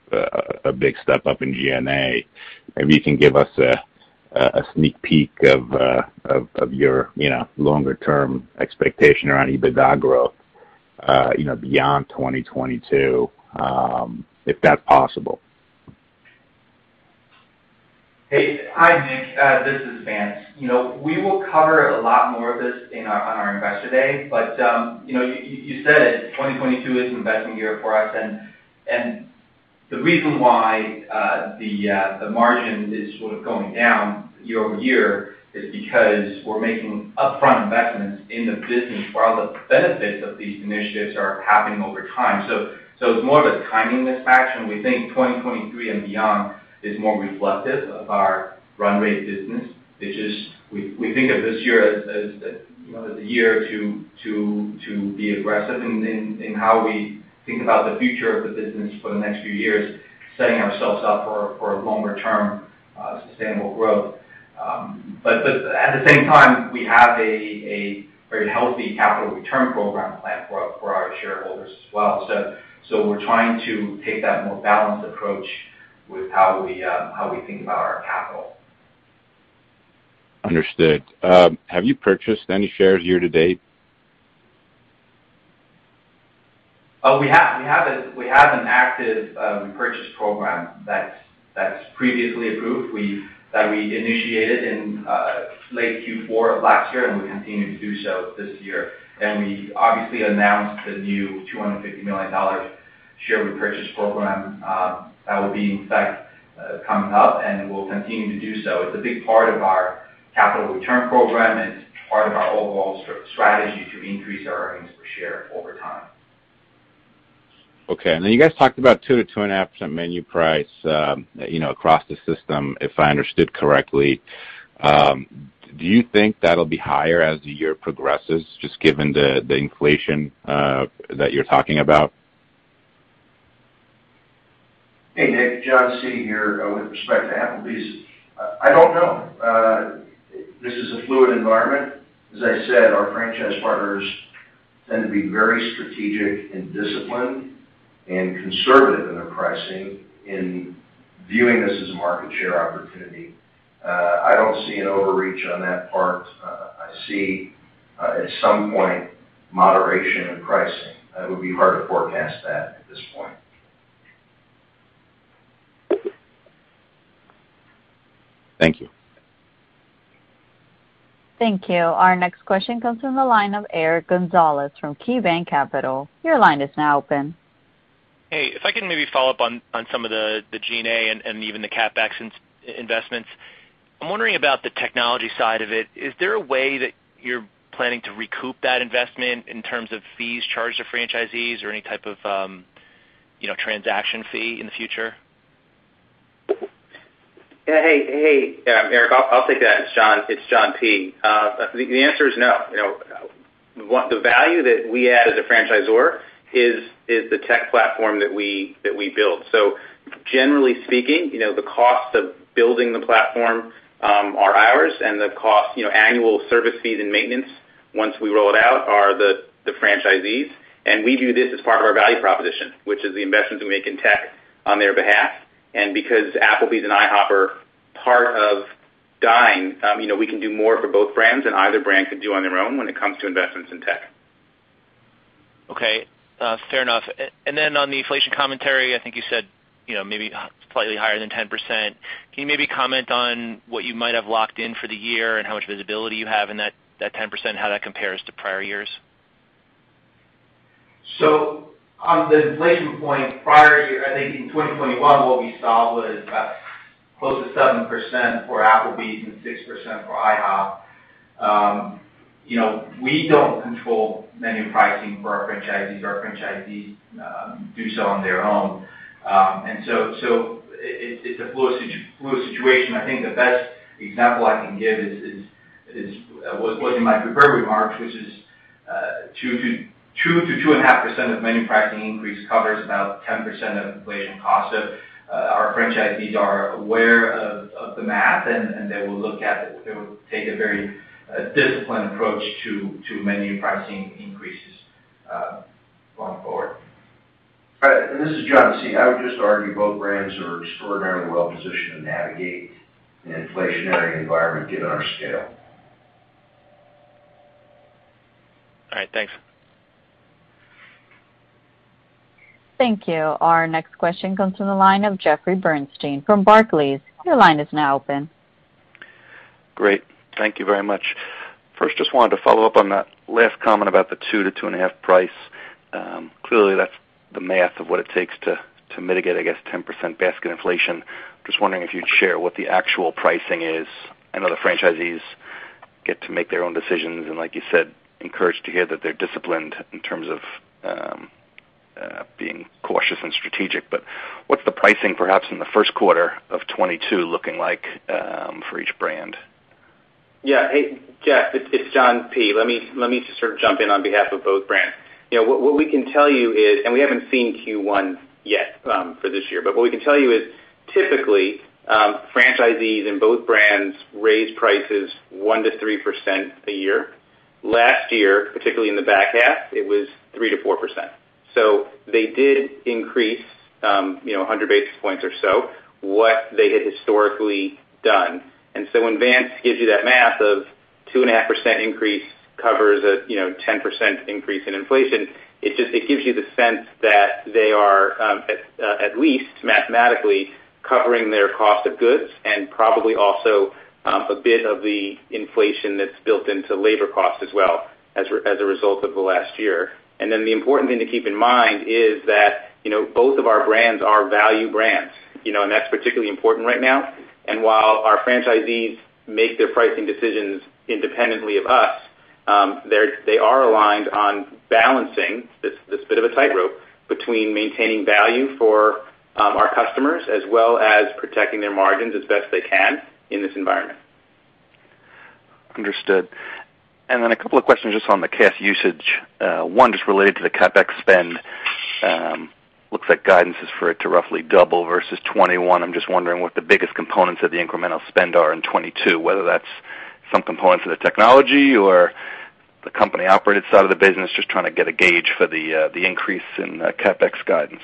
Speaker 9: a big step up in G&A. Maybe you can give us a sneak peek of your, you know, longer term expectation around EBITDA growth, you know, beyond 2022, if that's possible.
Speaker 4: Hey. Hi, Nick. This is Vance. You know, we will cover a lot more of this in our Investor Day. You know, you said it, 2022 is an investment year for us. The reason why the margin is sort of going down year-over-year is because we're making upfront investments in the business while the benefits of these initiatives are happening over time. It's more of a timing mismatch, and we think 2023 and beyond is more reflective of our run rate business. It's just we think of this year as you know, as a year to be aggressive in how we think about the future of the business for the next few years, setting ourselves up for longer-term sustainable growth. At the same time, we have a very healthy capital return program plan for our shareholders as well. We're trying to take that more balanced approach with how we think about our capital.
Speaker 9: Understood. Have you purchased any shares year to date?
Speaker 4: We have an active repurchase program that's previously approved that we initiated in late Q4 of last year, and we continue to do so this year. We obviously announced the new $250 million share repurchase program that will be, in fact, coming up, and we'll continue to do so. It's a big part of our capital return program, and it's part of our overall strategy to increase our earnings per share over time.
Speaker 9: Okay. You guys talked about 2%-2.5% menu price, you know, do you think that'll be higher as the year progresses, just given the inflation that you're talking about?
Speaker 5: Hey, Nick, John C. here. With respect to Applebee's, I don't know. This is a fluid environment. As I said, our franchise partners tend to be very strategic and disciplined and conservative in their pricing in viewing this as a market share opportunity. I don't see an overreach on that part. I see at some point, moderation in pricing. It would be hard to forecast that at this point.
Speaker 9: Thank you.
Speaker 1: Thank you. Our next question comes from the line of Eric Gonzalez from KeyBanc Capital Markets. Your line is now open.
Speaker 10: Hey, if I can maybe follow up on some of the G&A and even the CapEx investments. I'm wondering about the technology side of it. Is there a way that you're planning to recoup that investment in terms of fees charged to franchisees or any type of, you know, transaction fee in the future?
Speaker 3: Hey. Hey, Eric. I'll take that. It's John. It's John Peyton. The answer is no. You know, the value that we add as a franchisor is the tech platform that we build. Generally speaking, you know, the cost of building the platform are ours and the cost, you know, annual service fees and maintenance once we roll it out are the franchisees. We view this as part of our value proposition, which is the investments we make in tech on their behalf. Because Applebee's and IHOP are part of Dine, you know, we can do more for both brands than either brand could do on their own when it comes to investments in tech.
Speaker 10: Okay. Fair enough. On the inflation commentary, I think you said, you know, maybe slightly higher than 10%. Can you maybe comment on what you might have locked in for the year and how much visibility you have in that 10%, how that compares to prior years?
Speaker 4: On the inflation point, prior year, I think in 2021, what we saw was close to 7% for Applebee's and 6% for IHOP. You know, we don't control menu pricing for our franchisees. Our franchisees do so on their own. It's a fluid situation. I think the best example I can give was in my prepared remarks, which is 2%-2.5% of menu pricing increase covers about 10% of inflation costs. Our franchisees are aware of the math, and they will look at it. They will take a very disciplined approach to menu pricing increases going forward.
Speaker 5: All right. This is John Cywinski. I would just argue both brands are extraordinarily well positioned to navigate an inflationary environment given our scale.
Speaker 10: All right. Thanks.
Speaker 1: Thank you. Our next question comes from the line of Jeffrey Bernstein from Barclays. Your line is now open.
Speaker 11: Great. Thank you very much. First, just wanted to follow up on that last comment about the 2%-2.5% price. Clearly that's the math of what it takes to mitigate, I guess 10% basket inflation. Just wondering if you'd share what the actual pricing is. I know the franchisees get to make their own decisions, and like you said, encouraged to hear that they're disciplined in terms of being cautious and strategic. But what's the pricing perhaps in the first quarter of 2022 looking like for each brand?
Speaker 3: Yeah. Hey, Jeff, it's John Peyton. Let me just sort of jump in on behalf of both brands. You know, what we can tell you is, we haven't seen Q1 yet for this year, but what we can tell you is, typically, franchisees in both brands raise prices 1%-3% a year. Last year, particularly in the back half, it was 3%-4%. They did increase 100 basis points over what they had historically done. When Vance gives you that math of 2.5% increase covers a, you know, 10% increase in inflation, it gives you the sense that they are at least mathematically covering their cost of goods and probably also a bit of the inflation that's built into labor costs as well as a result of the last year. The important thing to keep in mind is that, you know, both of our brands are value brands, you know, and that's particularly important right now. While our franchisees make their pricing decisions independently of us, they are aligned on balancing this bit of a tightrope between maintaining value for our customers as well as protecting their margins as best they can in this environment.
Speaker 11: Understood. Then a couple of questions just on the cash usage. One just related to the CapEx spend. Looks like guidance is for it to roughly double versus 2021. I'm just wondering what the biggest components of the incremental spend are in 2022, whether that's some components of the technology or the company-operated side of the business. Just trying to get a gauge for the increase in CapEx guidance.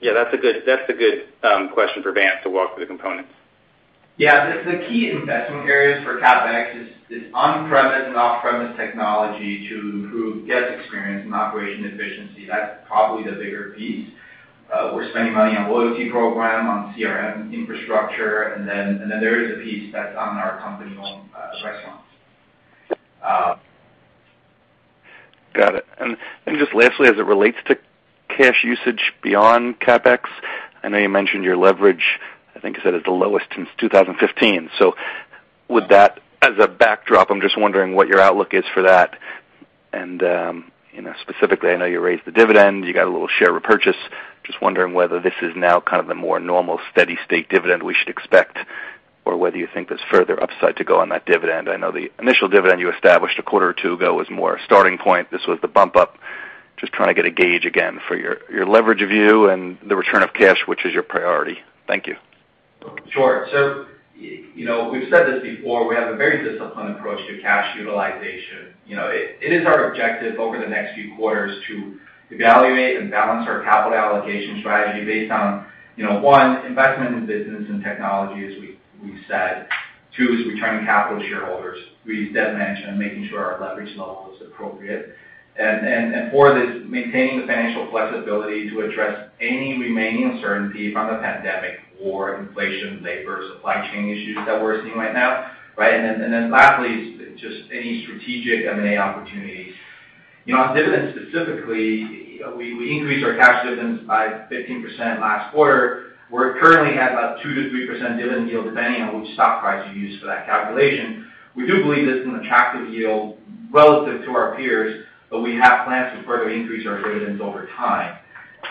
Speaker 3: Yeah, that's a good question for Vance to walk through the components.
Speaker 4: Yeah. The key investment areas for CapEx is on-premise and off-premise technology to improve guest experience and operational efficiency. That's probably the bigger piece. We're spending money on loyalty program, on CRM infrastructure, and then there is a piece that's on our company-owned restaurants.
Speaker 11: Got it. Just lastly, as it relates to cash usage beyond CapEx, I know you mentioned your leverage, I think you said is the lowest since 2015. With that as a backdrop, I'm just wondering what your outlook is for that. You know, specifically, I know you raised the dividend, you got a little share repurchase. Just wondering whether this is now kind of the more normal steady-state dividend we should expect or whether you think there's further upside to go on that dividend. I know the initial dividend you established a quarter or two ago was more a starting point. This was the bump up. Just trying to get a gauge again for your leverage view and the return of cash, which is your priority. Thank you.
Speaker 4: Sure. You know, we've said this before, we have a very disciplined approach to cash utilization. You know, it is our objective over the next few quarters to evaluate and balance our capital allocation strategy based on, you know, one, investment in business and technology, as we've said. Two, is returning capital to shareholders. We did mention making sure our leverage level is appropriate. Four is maintaining the financial flexibility to address any remaining uncertainty from the pandemic or inflation, labor, supply chain issues that we're seeing right now, right? Lastly, is just any strategic M&A opportunities. You know, on dividends specifically, you know, we increased our cash dividends by 15% last quarter. We're currently at about 2%-3% dividend yield, depending on which stock price you use for that calculation. We do believe it's an attractive yield relative to our peers, but we have plans to further increase our dividends over time.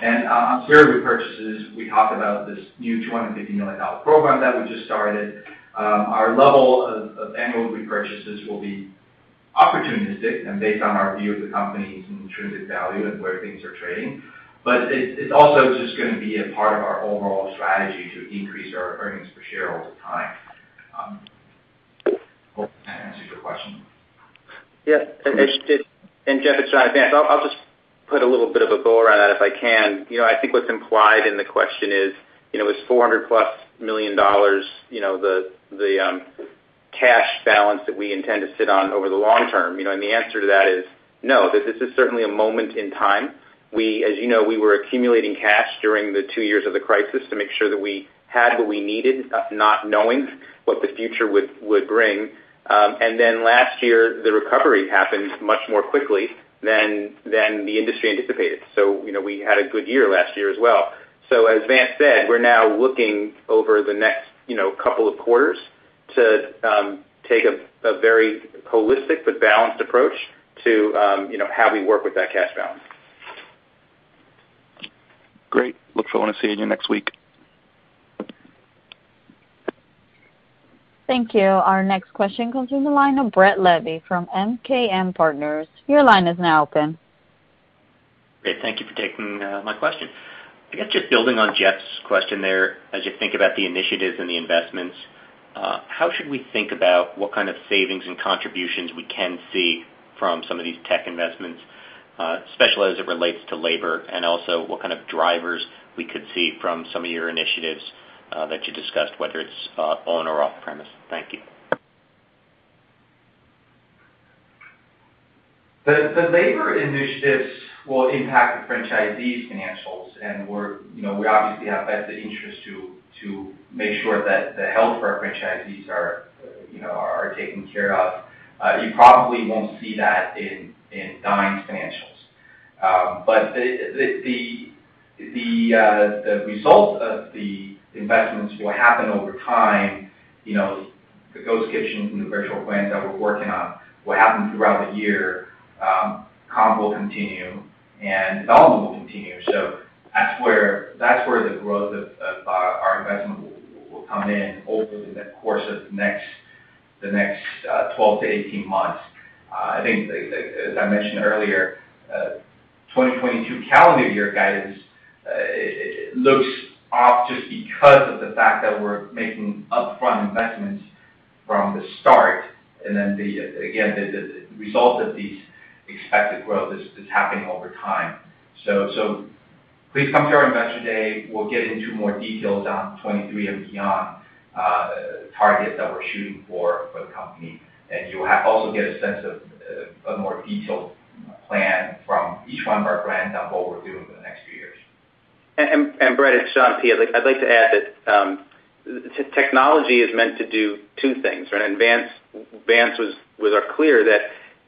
Speaker 4: On share repurchases, we talked about this new $250 million program that we just started. Our level of annual repurchases will be opportunistic and based on our view of the company's intrinsic value and where things are trading. It's also just gonna be a part of our overall strategy to increase our earnings per share over time. Hope that answers your question.
Speaker 3: Yeah. Jeffrey, it's John Peyton. I'll just put a little bit of a bow around that, if I can. You know, I think what's implied in the question is, you know, is $400+ million, you know, the cash balance that we intend to sit on over the long term, you know? The answer to that is no. This is certainly a moment in time. We, as you know, were accumulating cash during the two years of the crisis to make sure that we had what we needed, not knowing what the future would bring. Then last year, the recovery happened much more quickly than the industry anticipated. You know, we had a good year last year as well. As Vance said, we're now looking over the next, you know, couple of quarters to take a very holistic but balanced approach to, you know, how we work with that cash balance.
Speaker 11: Great. I look forward to seeing you next week.
Speaker 1: Thank you. Our next question comes from the line of Brett Levy from MKM Partners. Your line is now open.
Speaker 12: Great. Thank you for taking my question. I guess just building on Jeff's question there. As you think about the initiatives and the investments, how should we think about what kind of savings and contributions we can see from some of these tech investments, especially as it relates to labor, and also what kind of drivers we could see from some of your initiatives, that you discussed, whether it's on or off-premise? Thank you.
Speaker 4: The labor initiatives will impact the franchisees' financials, and you know, we obviously have vested interest to make sure that the health of our franchisees are, you know, taken care of. You probably won't see that in Dine's financials. The result of the investments will happen over time. You know, the ghost kitchens and the virtual brands that we're working on will happen throughout the year. Comp will continue, and development will continue. That's where the growth of our investment will come in over the course of the next 12-18 months. I think, as I mentioned earlier, 2022 calendar year guidance looks off just because of the fact that we're making upfront investments from the start. The result of this expected growth is happening over time. Please come to our Investor Day. We'll get into more details on 2023 and beyond, targets that we're shooting for the company. You will also get a sense of a more detailed plan from each one of our brands on what we're doing for the next few years.
Speaker 3: Brett, it's John Peyton. I'd like to add that technology is meant to do two things, right? Vance Chang was clear that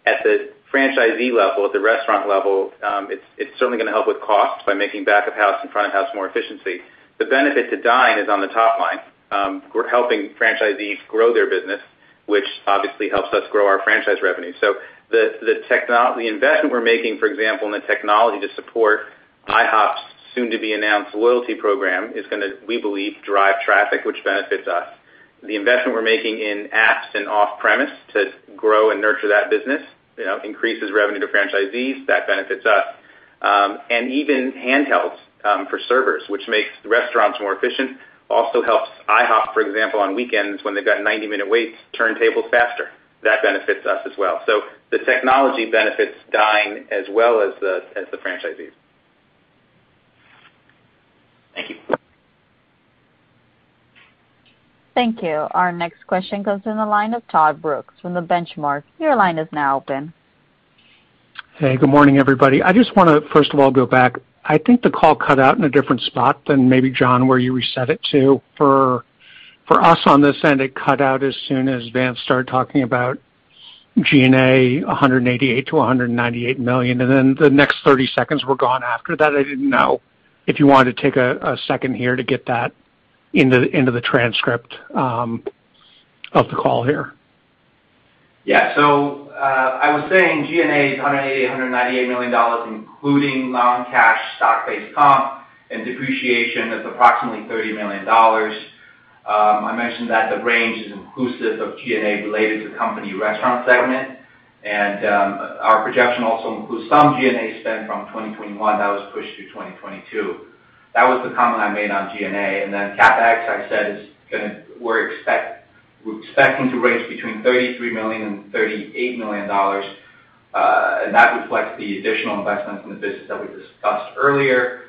Speaker 3: at the franchisee level, at the restaurant level, it's certainly gonna help with cost by making back of house and front of house more efficient. The benefit to Dine is on the top line. We're helping franchisees grow their business, which obviously helps us grow our franchise revenue. The technology investment we're making, for example, in the technology to support IHOP's soon-to-be-announced loyalty program is gonna, we believe, drive traffic, which benefits us. The investment we're making in apps and off-premise to grow and nurture that business, you know, increases revenue to franchisees. That benefits us. Even handhelds for servers, which makes the restaurants more efficient, also helps IHOP, for example, on weekends when they've got 90-minute waits, turn tables faster. That benefits us as well. The technology benefits Dine as well as the franchisees.
Speaker 12: Thank you.
Speaker 1: Thank you. Our next question comes from the line of Todd Brooks from The Benchmark. Your line is now open.
Speaker 13: Hey, good morning, everybody. I just wanna, first of all, go back. I think the call cut out in a different spot than maybe, John, where you reset it to. For us on this end, it cut out as soon as Vance started talking about G&A, $188 million-$198 million, and then the next 30 seconds were gone after that. I didn't know if you wanted to take a second here to get that into the transcript of the call here.
Speaker 3: I was saying G&A is $198 million, including non-cash stock-based comp and depreciation of approximately $30 million. I mentioned that the range is inclusive of G&A related to company restaurant segment. Our projection also includes some G&A spend from 2021 that was pushed to 2022. That was the comment I made on G&A. CapEx, I said, we're expecting to range between $33 million and $38 million. That reflects the additional investment from the business that we discussed earlier.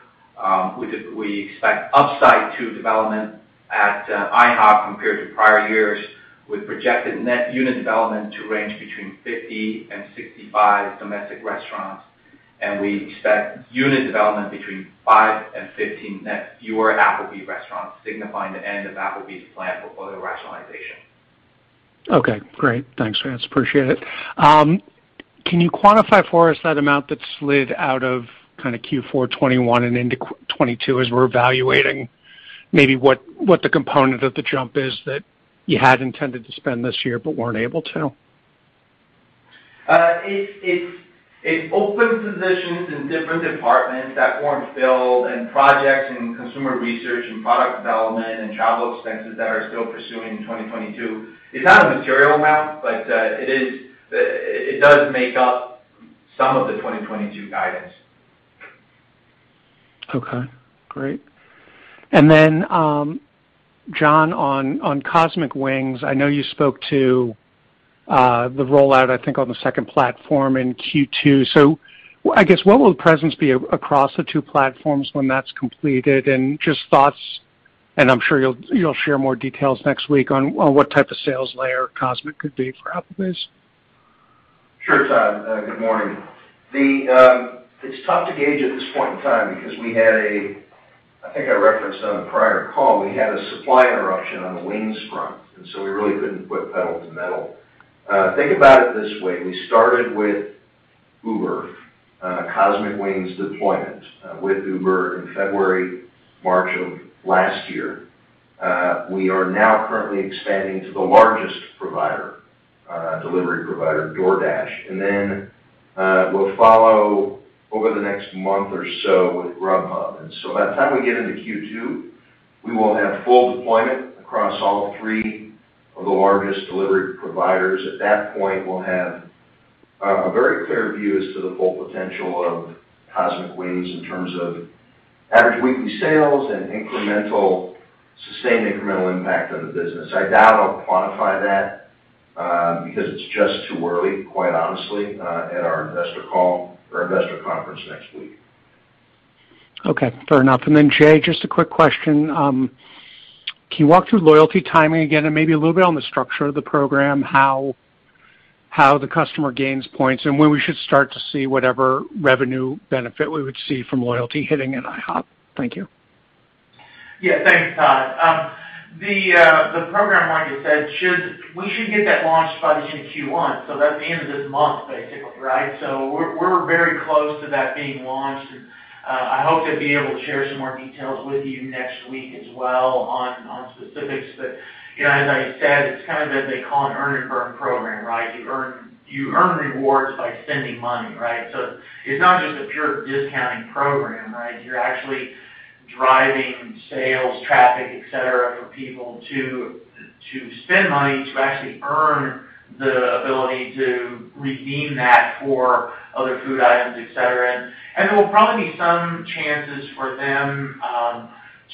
Speaker 3: We expect upside to development at IHOP compared to prior years, with projected net unit development to range between 50 and 65 domestic restaurants. We expect unit development between 5 and 15 net fewer Applebee's restaurants, signifying the end of Applebee's plan for portfolio rationalization.
Speaker 13: Okay, great. Thanks, Vance. Appreciate it. Can you quantify for us that amount that slid out of kinda Q4 2021 and into Q1 2022 as we're evaluating maybe what the component of the jump is that you had intended to spend this year but weren't able to?
Speaker 4: It's open positions in different departments that weren't filled and projects in consumer research and product development and travel expenses that are still pursuing in 2022. It's not a material amount, but it is, it does make up some of the 2022 guidance.
Speaker 13: Okay, great. Then, John, on Cosmic Wings, I know you spoke to the rollout, I think, on the second platform in Q2. I guess, what will the presence be across the two platforms when that's completed? Just thoughts, and I'm sure you'll share more details next week on what type of sales layer Cosmic could be for Applebee's.
Speaker 5: Sure, Todd. Good morning. It's tough to gauge at this point in time because I think I referenced on a prior call, we had a supply interruption on the wings front, and so we really couldn't put pedal to metal. Think about it this way: We started with Uber Cosmic Wings deployment with Uber in February, March of last year. We are now currently expanding to the largest provider, delivery provider, DoorDash, and then we'll follow over the next month or so with Grubhub. By the time we get into Q2, we will have full deployment across all three of the largest delivery providers. At that point, we'll have a very clear view as to the full potential of Cosmic Wings in terms of average weekly sales and sustained incremental impact on the business. I doubt I'll quantify that, because it's just too early, quite honestly, at our investor call or investor conference next week.
Speaker 13: Okay, fair enough. Jay, just a quick question. Can you walk through loyalty timing again and maybe a little bit on the structure of the program, how the customer gains points, and when we should start to see whatever revenue benefit we would see from loyalty hitting in IHOP? Thank you.
Speaker 6: Yeah, thanks, Todd. The program, like I said, we should get that launched by this in Q1, so that's the end of this month, basically, right? We're very close to that being launched. I hope to be able to share some more details with you next week as well on specifics. You know, as I said, it's kind of as they call an earn and burn program, right? You earn rewards by spending money, right? It's not just a pure discounting program, right? You're actually driving sales, traffic, et cetera, for people to spend money, to actually earn the ability to redeem that for other food items, et cetera. There will probably be some chances for them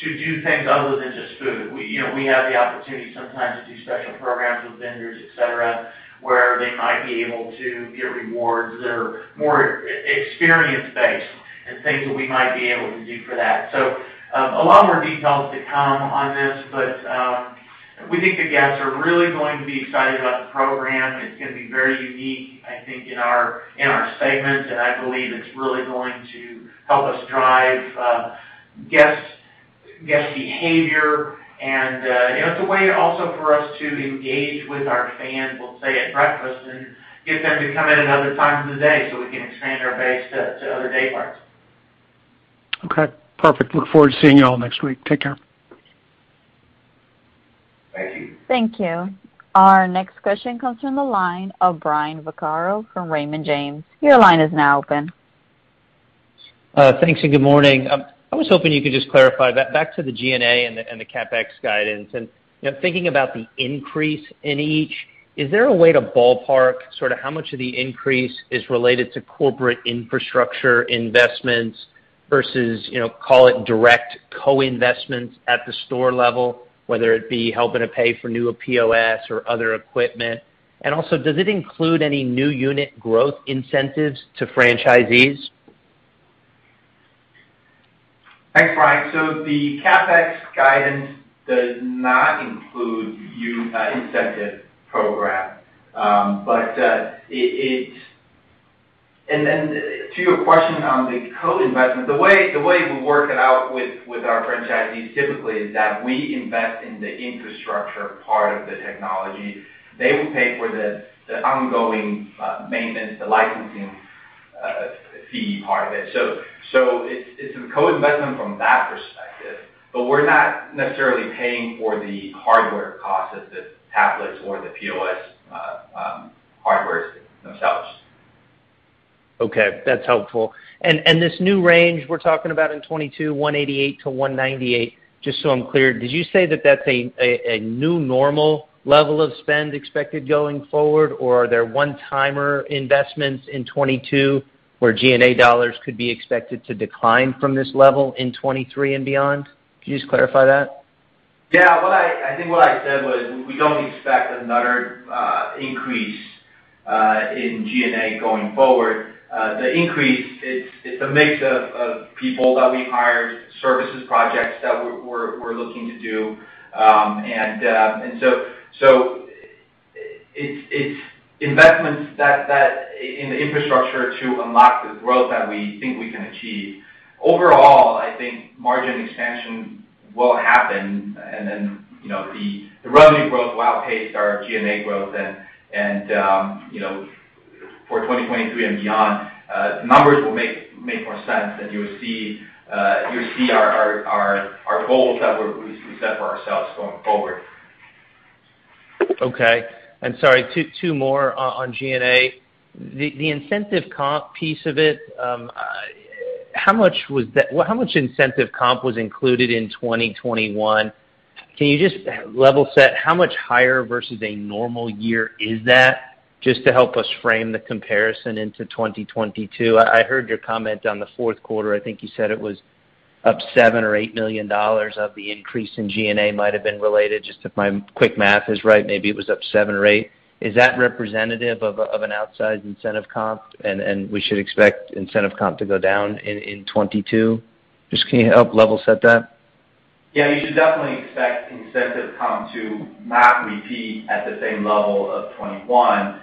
Speaker 6: to do things other than just food. We, you know, we have the opportunity sometimes to do special programs with vendors, et cetera, where they might be able to get rewards that are more experience based and things that we might be able to do for that. A lot more details to come on this, but we think the guests are really going to be excited about the program. It's gonna be very unique, I think, in our segment, and I believe it's really going to help us drive guest behavior. You know, it's a way also for us to engage with our fans, we'll say, at breakfast and get them to come in at other times of the day so we can expand our base to other day parts.
Speaker 13: Okay, perfect. Look forward to seeing you all next week. Take care.
Speaker 5: Thank you.
Speaker 1: Thank you. Our next question comes from the line of Brian Vaccaro from Raymond James. Your line is now open.
Speaker 14: Thanks and good morning. I was hoping you could just clarify. Back to the G&A and the CapEx guidance. You know, thinking about the increase in each, is there a way to ballpark sorta how much of the increase is related to corporate infrastructure investments versus, you know, call it direct co-investments at the store level, whether it be helping to pay for new POS or other equipment? Also, does it include any new unit growth incentives to franchisees?
Speaker 6: Thanks, Brian. The CapEx guidance does not include incentive program. To your question on the co-investment, the way we work it out with our franchisees typically is that we invest in the infrastructure part of the technology. They will pay for the ongoing maintenance, the licensing fee part of it. It's a co-investment from that perspective. We're not necessarily paying for the hardware costs of the tablets or the POS, hardware itself.
Speaker 14: Okay, that's helpful. This new range we're talking about in 2022, $188-$198, just so I'm clear, did you say that that's a new normal level of spend expected going forward? Or are there one-time investments in 2022 where G&A dollars could be expected to decline from this level in 2023 and beyond? Can you just clarify that?
Speaker 4: Yeah. I think what I said was we don't expect another increase in G&A going forward. The increase, it's a mix of people that we hired, services projects that we're looking to do. It's investments in the infrastructure to unlock the growth that we think we can achieve. Overall, I think margin expansion will happen and then, you know, the revenue growth will outpace our G&A growth and, you know, for 2023 and beyond, the numbers will make more sense and you'll see our goals that we set for ourselves going forward.
Speaker 14: Sorry, two more on G&A. The incentive comp piece of it, how much was that? How much incentive comp was included in 2021? Can you just level set how much higher versus a normal year is that, just to help us frame the comparison into 2022? I heard your comment on the fourth quarter. I think you said it was up $7 million or $8 million of the increase in G&A might have been related. Just if my quick math is right, maybe it was up 7 or 8. Is that representative of an outsized incentive comp and we should expect incentive comp to go down in 2022? Just can you help level set that?
Speaker 4: Yeah, you should definitely expect incentive comp to not repeat at the same level of 2021.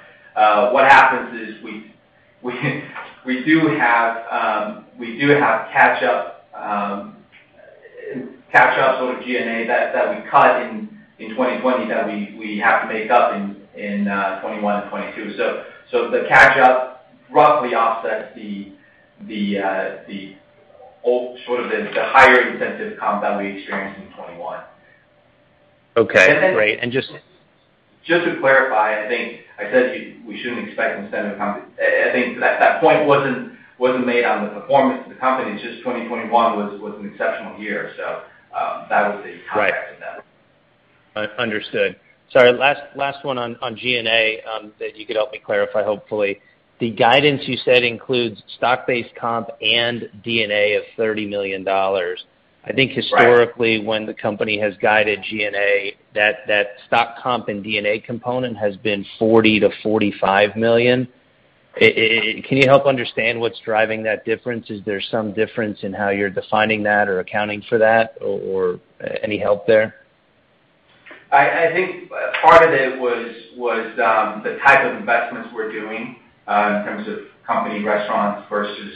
Speaker 4: What happens is we do have catch up sort of G&A that we cut in 2020 that we have to make up in 2021 and 2022. The catch up roughly offsets the higher incentive comp that we experienced in 2021.
Speaker 14: Okay. Great.
Speaker 4: Just to clarify, I think I said we shouldn't expect incentive comp. I think that point wasn't made on the performance of the company, just 2021 was an exceptional year. That was the context of that.
Speaker 14: Right. Understood. Sorry, last one on G&A that you could help me clarify, hopefully. The guidance you said includes stock-based comp and D&A of $30 million.
Speaker 4: Right.
Speaker 14: I think historically when the company has guided G&A that stock comp and D&A component has been $40 million-$45 million. Can you help understand what's driving that difference? Is there some difference in how you're defining that or accounting for that or any help there?
Speaker 4: I think part of it was the type of investments we're doing in terms of company restaurants versus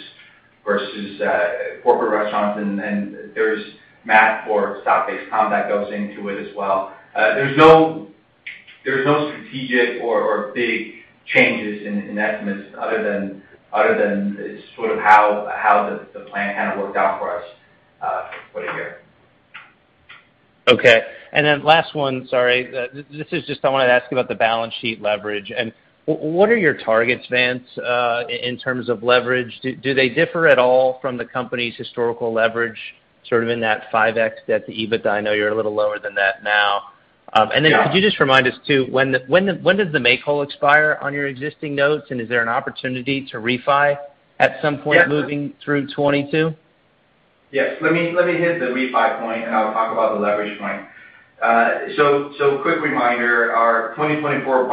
Speaker 4: corporate restaurants. There's math for stock-based comp that goes into it as well. There's no strategic or big changes in estimates other than sort of how the plan kind of worked out for us for the year.
Speaker 14: Okay. Last one. Sorry. This is just I wanted to ask about the balance sheet leverage. What are your targets, Vance, in terms of leverage? Do they differ at all from the company's historical leverage, sort of in that 5x debt to EBITDA? I know you're a little lower than that now. Could you just remind us too, when does the make whole expire on your existing notes? And is there an opportunity to refi at some point moving through 2022?
Speaker 4: Yes. Let me hit the refi point, and I'll talk about the leverage point. Quick reminder, our 2024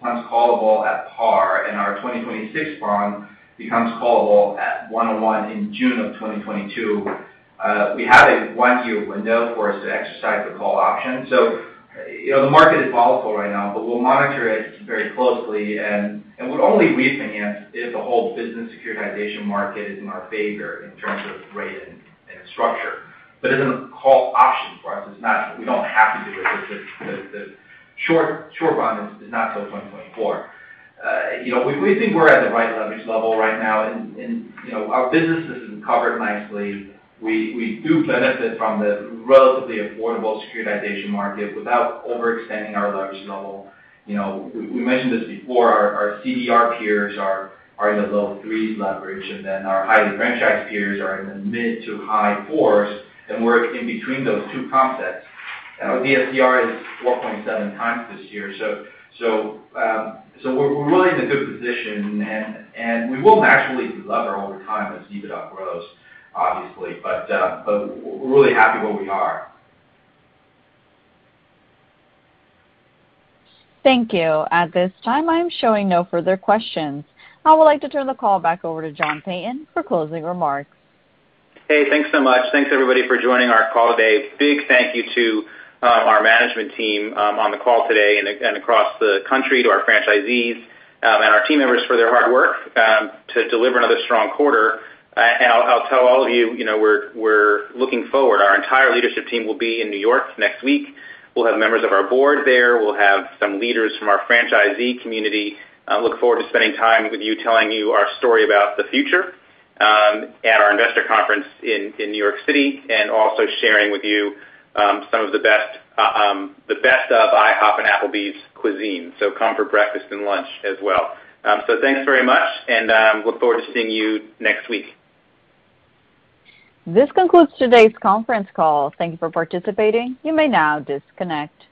Speaker 4: bond becomes callable at par, and our 2026 bond becomes callable at 101 in June of 2022. We have a one-year window for us to exercise the call option. You know, the market is volatile right now, but we'll monitor it very closely and would only refinance if the whole business securitization market is in our favor in terms of rate and structure. It's a call option for us. It's not. We don't have to do it. The short bond is not till 2024. You know, we think we're at the right leverage level right now. You know, our business is covered nicely. We do benefit from the relatively affordable securitization market without overextending our leverage level. You know, we mentioned this before, our CDR peers are in the low 3s leverage, and then our highly franchised peers are in the mid- to high- 4s, and we're in between those two concepts. Our DSCR is 4.7x this year. We're really in a good position and we will naturally lever over time as EBITDA grows, obviously. We're really happy where we are.
Speaker 1: Thank you. At this time, I'm showing no further questions. I would like to turn the call back over to John Peyton for closing remarks.
Speaker 3: Hey, thanks so much. Thanks everybody for joining our call today. Big thank you to our management team on the call today and across the country to our franchisees and our team members for their hard work to deliver another strong quarter. I'll tell all of you know, we're looking forward. Our entire leadership team will be in New York next week. We'll have members of our board there. We'll have some leaders from our franchisee community. I look forward to spending time with you, telling you our story about the future at our investor conference in New York City and also sharing with you some of the best of IHOP and Applebee's cuisine. Come for breakfast and lunch as well. Thanks very much, and look forward to seeing you next week.
Speaker 1: This concludes today's conference call. Thank you for participating. You may now disconnect.